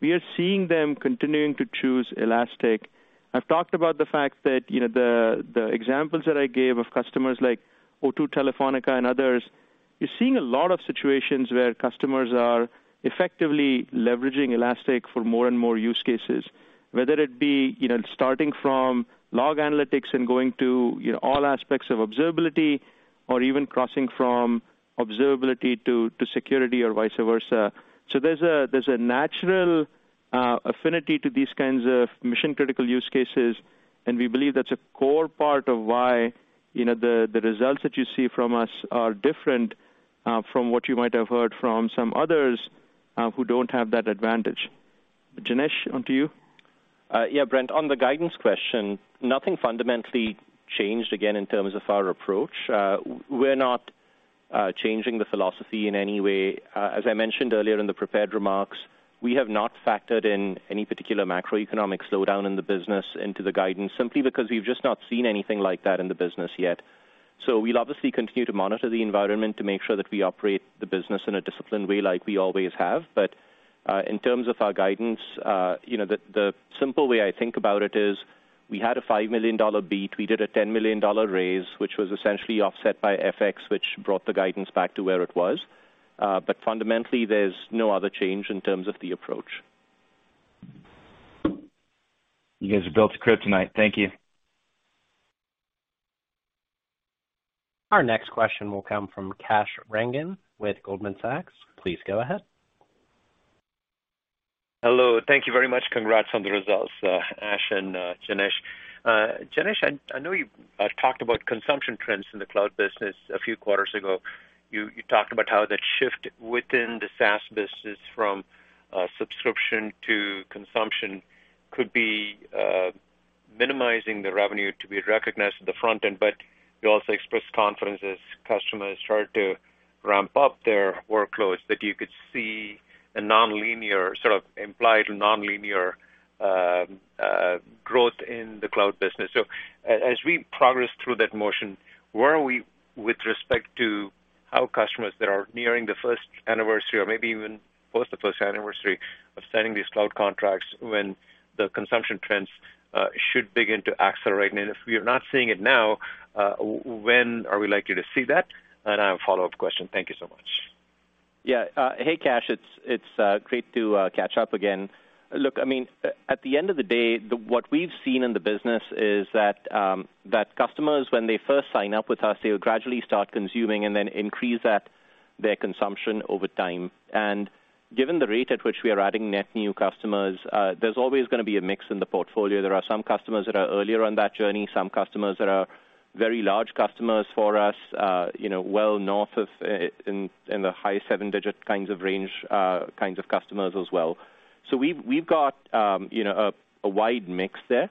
we are seeing them continuing to choose Elastic. I've talked about the fact that, you know, the examples that I gave of customers like O2 Telefónica and others. You're seeing a lot of situations where customers are effectively leveraging Elastic for more and more use cases. Whether it be, you know, starting from log analytics and going to, you know, all aspects of observability or even crossing from observability to security or vice versa. There's a natural affinity to these kinds of mission-critical use cases, and we believe that's a core part of why, you know, the results that you see from us are different from what you might have heard from some others who don't have that advantage. Janesh, on to you. Yeah, Brent, on the guidance question, nothing fundamentally changed again, in terms of our approach. We're not changing the philosophy in any way. As I mentioned earlier in the prepared remarks, we have not factored in any particular macroeconomic slowdown in the business into the guidance, simply because we've just not seen anything like that in the business yet. We'll obviously continue to monitor the environment to make sure that we operate the business in a disciplined way like we always have. In terms of our guidance, you know, the simple way I think about it is we had a $5 million beat. We did a $10 million raise, which was essentially offset by FX, which brought the guidance back to where it was. Fundamentally, there's no other change in terms of the approach. You guys are built to kryptonite. Thank you. Our next question will come from Kash Rangan with Goldman Sachs. Please go ahead. Hello, thank you very much. Congrats on the results, Ash and Janesh. Janesh, I know you talked about consumption trends in the cloud business a few quarters ago. You talked about how the shift within the SaaS business from subscription to consumption could be minimizing the revenue to be recognized at the front end, but you also expressed confidence as customers start to ramp up their workloads, that you could see a nonlinear, sort of implied nonlinear growth in the cloud business. As we progress through that motion, where are we with respect to our customers that are nearing the first anniversary or maybe even post the first anniversary of signing these cloud contracts when the consumption trends should begin to accelerate? If we are not seeing it now, when are we likely to see that? I have a follow-up question. Thank you so much. Yeah. Hey, Kash. It's great to catch up again. Look, I mean, at the end of the day, what we've seen in the business is that customers, when they first sign up with us, they'll gradually start consuming and then increase that their consumption over time. Given the rate at which we are adding net new customers, there's always gonna be a mix in the portfolio. There are some customers that are earlier on that journey, some customers that are very large customers for us, you know, well north of in the high seven-digit kinds of range, kinds of customers as well. We've got you know, a wide mix there.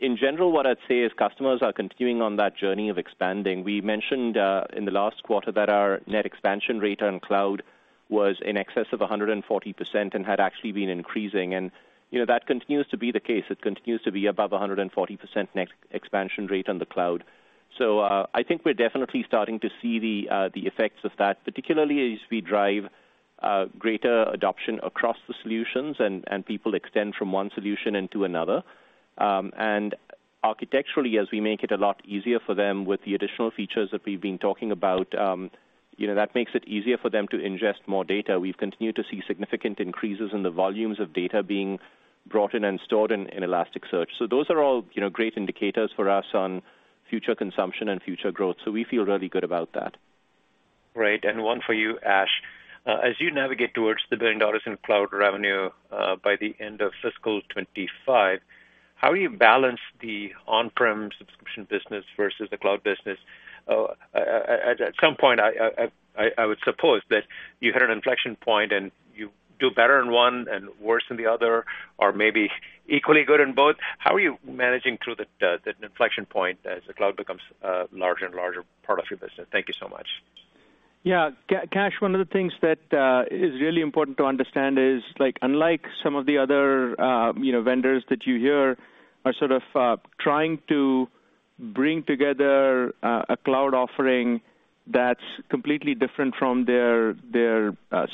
In general, what I'd say is customers are continuing on that journey of expanding. We mentioned in the last quarter that our net expansion rate on cloud was in excess of 140% and had actually been increasing. You know, that continues to be the case. It continues to be above 140% net expansion rate on the cloud. I think we're definitely starting to see the effects of that, particularly as we drive greater adoption across the solutions and people extend from one solution into another. Architecturally, as we make it a lot easier for them with the additional features that we've been talking about, you know, that makes it easier for them to ingest more data. We've continued to see significant increases in the volumes of data being brought in and stored in Elasticsearch. Those are all, you know, great indicators for us on future consumption and future growth, so we feel really good about that. Great. One for you, Ash. As you navigate towards $1 billion in cloud revenue by the end of fiscal 2025, how are you balancing the on-prem subscription business versus the cloud business? At some point, I would suppose that you hit an inflection point and you do better in one and worse in the other or maybe equally good in both. How are you managing through the inflection point as the cloud becomes a larger and larger part of your business? Thank you so much. Yeah. Kash, one of the things that is really important to understand is, like, unlike some of the other, you know, vendors that you hear are sort of trying to bring together a cloud offering that's completely different from their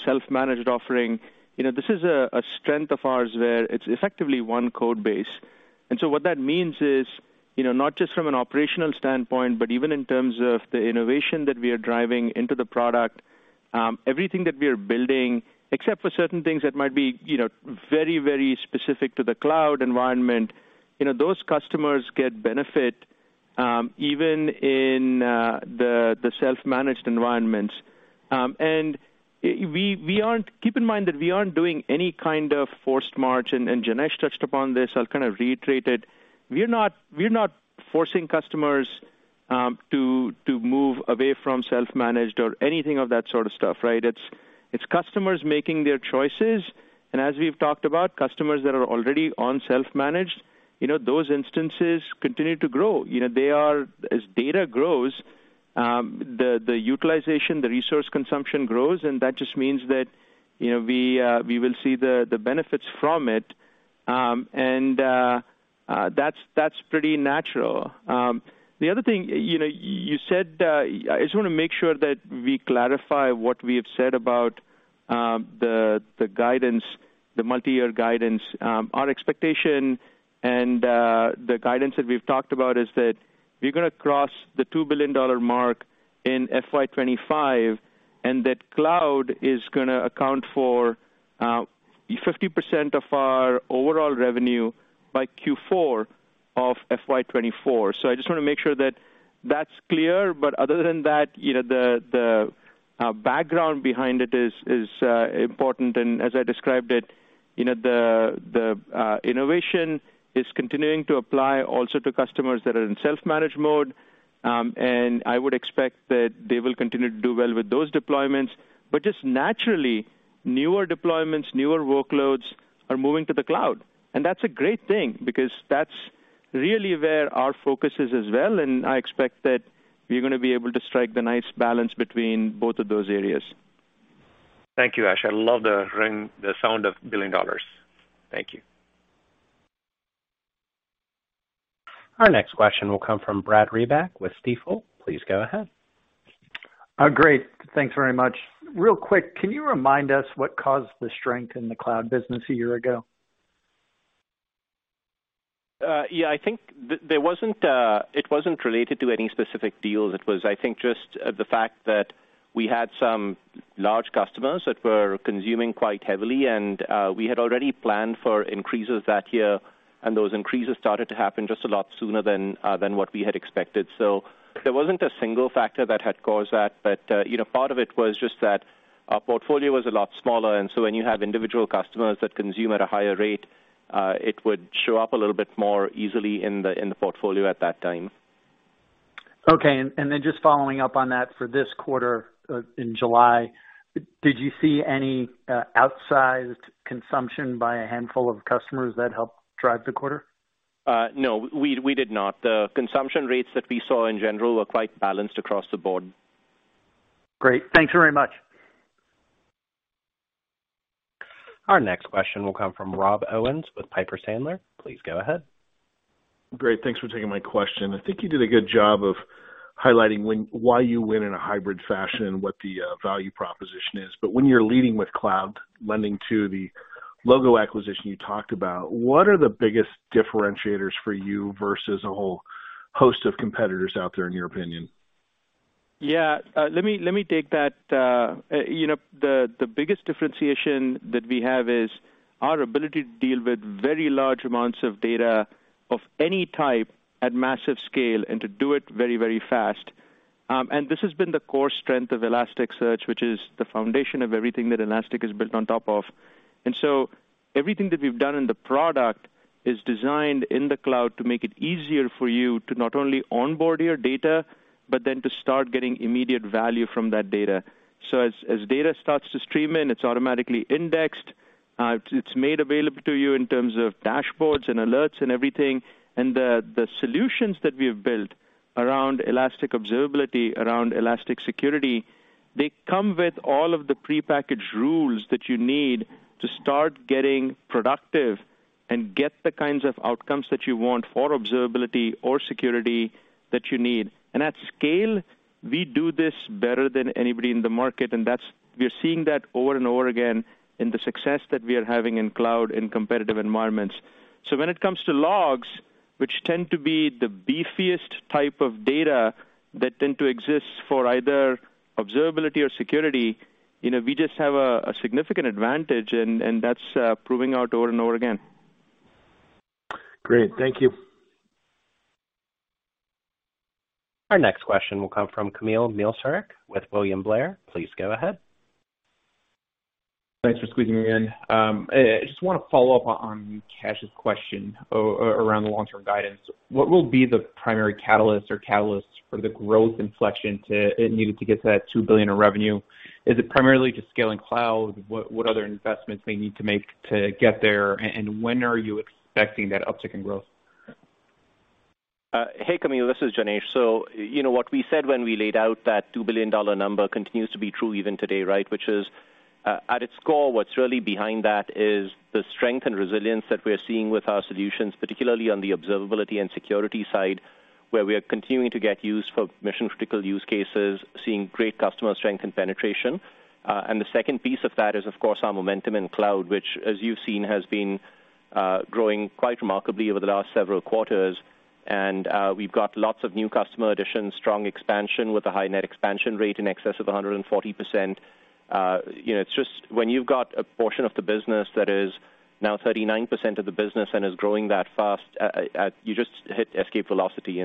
self-managed offering, you know, this is a strength of ours where it's effectively one code base. What that means is, you know, not just from an operational standpoint, but even in terms of the innovation that we are driving into the product, everything that we are building, except for certain things that might be, you know, very, very specific to the cloud environment, you know, those customers get benefit even in the self-managed environments. Keep in mind that we aren't doing any kind of forced march, and Janesh touched upon this, I'll kind of reiterate it. We're not forcing customers to move away from self-managed or anything of that sort of stuff, right? It's customers making their choices. As we've talked about, customers that are already on self-managed, you know, those instances continue to grow. You know, they are. As data grows, the utilization, the resource consumption grows, and that just means that, you know, we will see the benefits from it. That's pretty natural. The other thing, you know, you said, I just wanna make sure that we clarify what we have said about, the guidance, the multi-year guidance. Our expectation and the guidance that we've talked about is that we're gonna cross the $2 billion mark in FY 2025, and that cloud is gonna account for 50% of our overall revenue by Q4 of FY 2024. I just wanna make sure that that's clear. Other than that, you know, the background behind it is important. As I described it, you know, the innovation is continuing to apply also to customers that are in self-managed mode. I would expect that they will continue to do well with those deployments. Just naturally, newer deployments, newer workloads are moving to the cloud, and that's a great thing because that's really where our focus is as well, and I expect that we're gonna be able to strike the nice balance between both of those areas. Thank you, Ash. I love the ring, the sound of billion dollars. Thank you. Our next question will come from Brad Reback with Stifel. Please go ahead. Great. Thanks very much. Real quick, can you remind us what caused the strength in the cloud business a year ago? I think there wasn't, it wasn't related to any specific deals. It was, I think, just the fact that we had some large customers that were consuming quite heavily, and we had already planned for increases that year, and those increases started to happen just a lot sooner than what we had expected. There wasn't a single factor that had caused that. You know, part of it was just that our portfolio was a lot smaller, and so when you have individual customers that consume at a higher rate, it would show up a little bit more easily in the portfolio at that time. Then just following up on that for this quarter, in July, did you see any outsized consumption by a handful of customers that helped drive the quarter? No, we did not. The consumption rates that we saw in general were quite balanced across the board. Great. Thanks very much. Our next question will come from Rob Owens with Piper Sandler. Please go ahead. Great. Thanks for taking my question. I think you did a good job of highlighting why you win in a hybrid fashion and what the value proposition is. When you're leading with cloud lending to the logo acquisition you talked about, what are the biggest differentiators for you versus a whole host of competitors out there, in your opinion? Yeah, let me take that. You know, the biggest differentiation that we have is our ability to deal with very large amounts of data of any type at massive scale and to do it very, very fast. This has been the core strength of Elasticsearch, which is the foundation of everything that Elastic is built on top of. Everything that we've done in the product is designed in the cloud to make it easier for you to not only onboard your data, but then to start getting immediate value from that data. As data starts to stream in, it's automatically indexed, it's made available to you in terms of dashboards and alerts and everything. The solutions that we've built around Elastic Observability, around Elastic Security, they come with all of the prepackaged rules that you need to start getting productive and get the kinds of outcomes that you want for observability or security that you need. At scale, we do this better than anybody in the market, and that's, we are seeing that over and over again in the success that we are having in cloud in competitive environments. When it comes to logs, which tend to be the beefiest type of data that tend to exist for either observability or security, you know, we just have a significant advantage and that's proving out over and over again. Great. Thank you. Our next question will come from Kamil Mielczarek with William Blair. Please go ahead. Thanks for squeezing me in. I just wanna follow up on Kash's question around the long-term guidance. What will be the primary catalyst or catalysts for the growth inflection needed to get to that $2 billion in revenue? Is it primarily just scaling cloud? What other investments may you need to make to get there, and when are you expecting that uptick in growth? Hey, Kamil, this is Janesh. You know what we said when we laid out that $2 billion number continues to be true even today, right? Which is, at its core, what's really behind that is the strength and resilience that we are seeing with our solutions, particularly on the observability and security side, where we are continuing to get used for mission critical use cases, seeing great customer strength and penetration. The second piece of that is, of course, our momentum in cloud, which as you've seen, has been growing quite remarkably over the last several quarters. We've got lots of new customer additions, strong expansion with a high net expansion rate in excess of 140%. You know, it's just when you've got a portion of the business that is now 39% of the business and is growing that fast, you just hit escape velocity.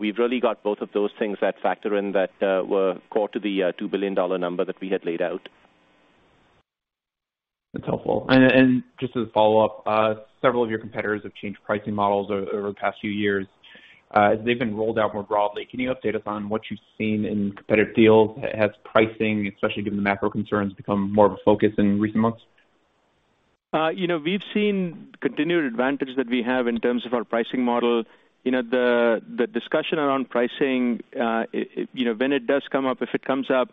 We've really got both of those things that factor in that were core to the $2 billion number that we had laid out. That's helpful. Just as a follow-up, several of your competitors have changed pricing models over the past few years. As they've been rolled out more broadly, can you update us on what you've seen in competitive deals? Has pricing, especially given the macro concerns, become more of a focus in recent months? You know, we've seen continued advantage that we have in terms of our pricing model. You know, the discussion around pricing, you know, when it does come up, if it comes up,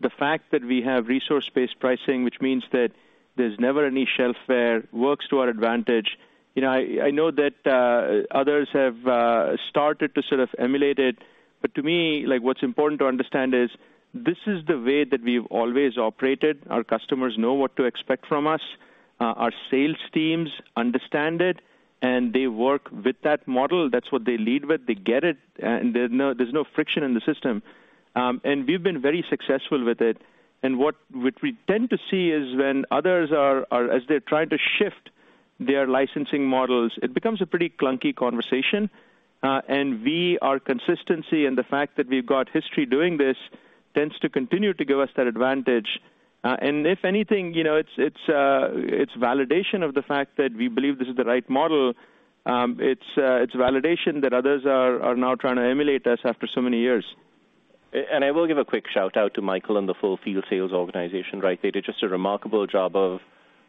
the fact that we have resource-based pricing, which means that there's never any shelfware, works to our advantage. You know, I know that others have started to sort of emulate it, but to me, like what's important to understand is this is the way that we've always operated. Our customers know what to expect from us. Our sales teams understand it, and they work with that model. That's what they lead with. They get it, and there's no friction in the system. We've been very successful with it. What we tend to see is when others are, as they're trying to shift their licensing models, it becomes a pretty clunky conversation. We have consistency, and the fact that we've got history doing this tends to continue to give us that advantage. If anything, you know, it's validation of the fact that we believe this is the right model. It's validation that others are now trying to emulate us after so many years. I will give a quick shout-out to Michael and the full field sales organization, right? They did just a remarkable job of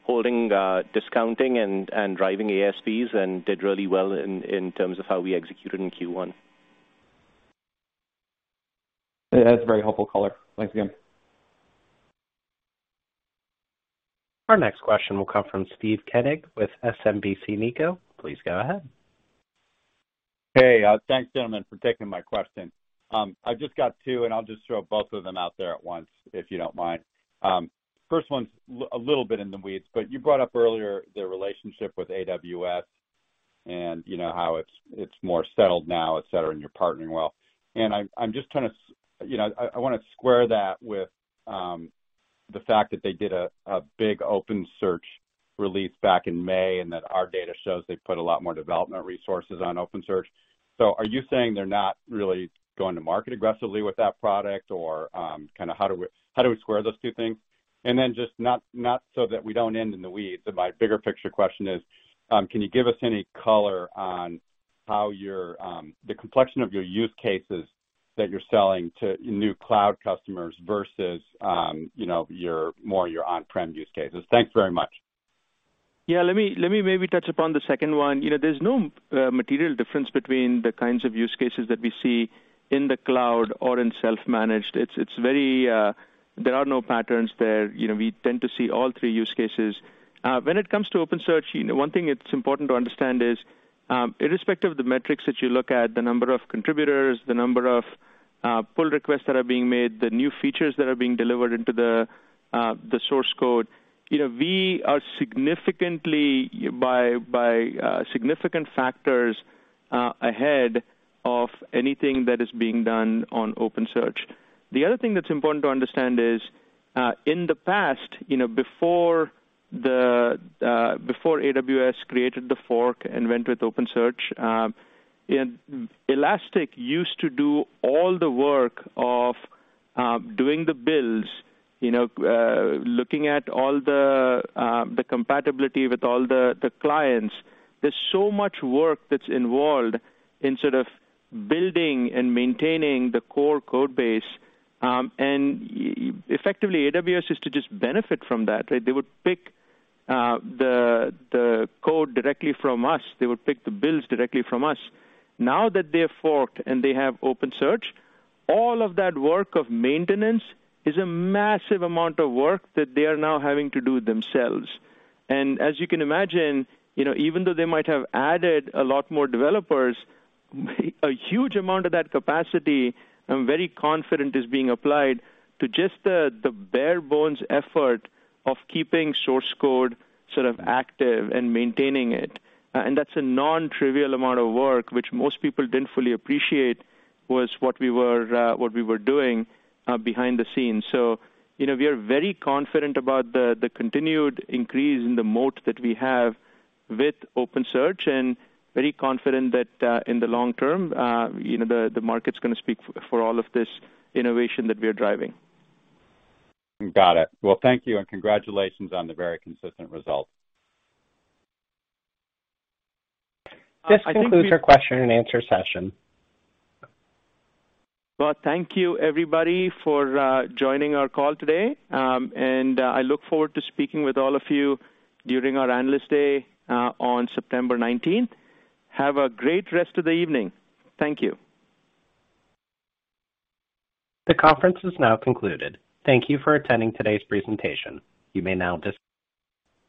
holding discounting and driving ASPs and did really well in terms of how we executed in Q1. That's a very helpful color. Thanks again. Our next question will come from Steve Koenig with SMBC Nikko. Please go ahead. Hey, thanks, gentlemen, for taking my question. I've just got two, and I'll just throw both of them out there at once, if you don't mind. First one's a little bit in the weeds, but you brought up earlier the relationship with AWS and you know how it's more settled now, et cetera, and you're partnering well. I'm just trying to, you know, square that with the fact that they did a big OpenSearch release back in May, and that our data shows they put a lot more development resources on OpenSearch. Are you saying they're not really going to market aggressively with that product? Or, kinda how do we square those two things? Just not so that we don't end in the weeds, but my bigger picture question is, can you give us any color on how the complexion of your use cases that you're selling to new cloud customers versus, you know, your more on-prem use cases? Thanks very much. Yeah, let me maybe touch upon the second one. You know, there's no material difference between the kinds of use cases that we see in the cloud or in self-managed. It's very. There are no patterns there. You know, we tend to see all three use cases. When it comes to OpenSearch, you know, one thing it's important to understand is, irrespective of the metrics that you look at, the number of contributors, the number of pull requests that are being made, the new features that are being delivered into the source code, you know, we are significantly by significant factors ahead of anything that is being done on OpenSearch. The other thing that's important to understand is, in the past, you know, before AWS created the fork and went with OpenSearch, you know, Elastic used to do all the work of doing the builds, you know, looking at all the compatibility with all the clients. There's so much work that's involved in sort of building and maintaining the core code base. Effectively, AWS is to just benefit from that, right? They would pick the code directly from us. They would pick the builds directly from us. Now that they have forked and they have OpenSearch, all of that work of maintenance is a massive amount of work that they are now having to do themselves. As you can imagine, you know, even though they might have added a lot more developers, a huge amount of that capacity, I'm very confident, is being applied to just the bare bones effort of keeping source code sort of active and maintaining it. That's a non-trivial amount of work which most people didn't fully appreciate was what we were doing behind the scenes. You know, we are very confident about the continued increase in the moat that we have with OpenSearch, and very confident that in the long term, you know, the market's gonna speak for all of this innovation that we are driving. Got it. Well, thank you, and congratulations on the very consistent results. This concludes our question-and-answer session. Well, thank you, everybody, for joining our call today. I look forward to speaking with all of you during our Analyst Day on September 19th. Have a great rest of the evening. Thank you. The conference is now concluded. Thank you for attending today's presentation. You may now.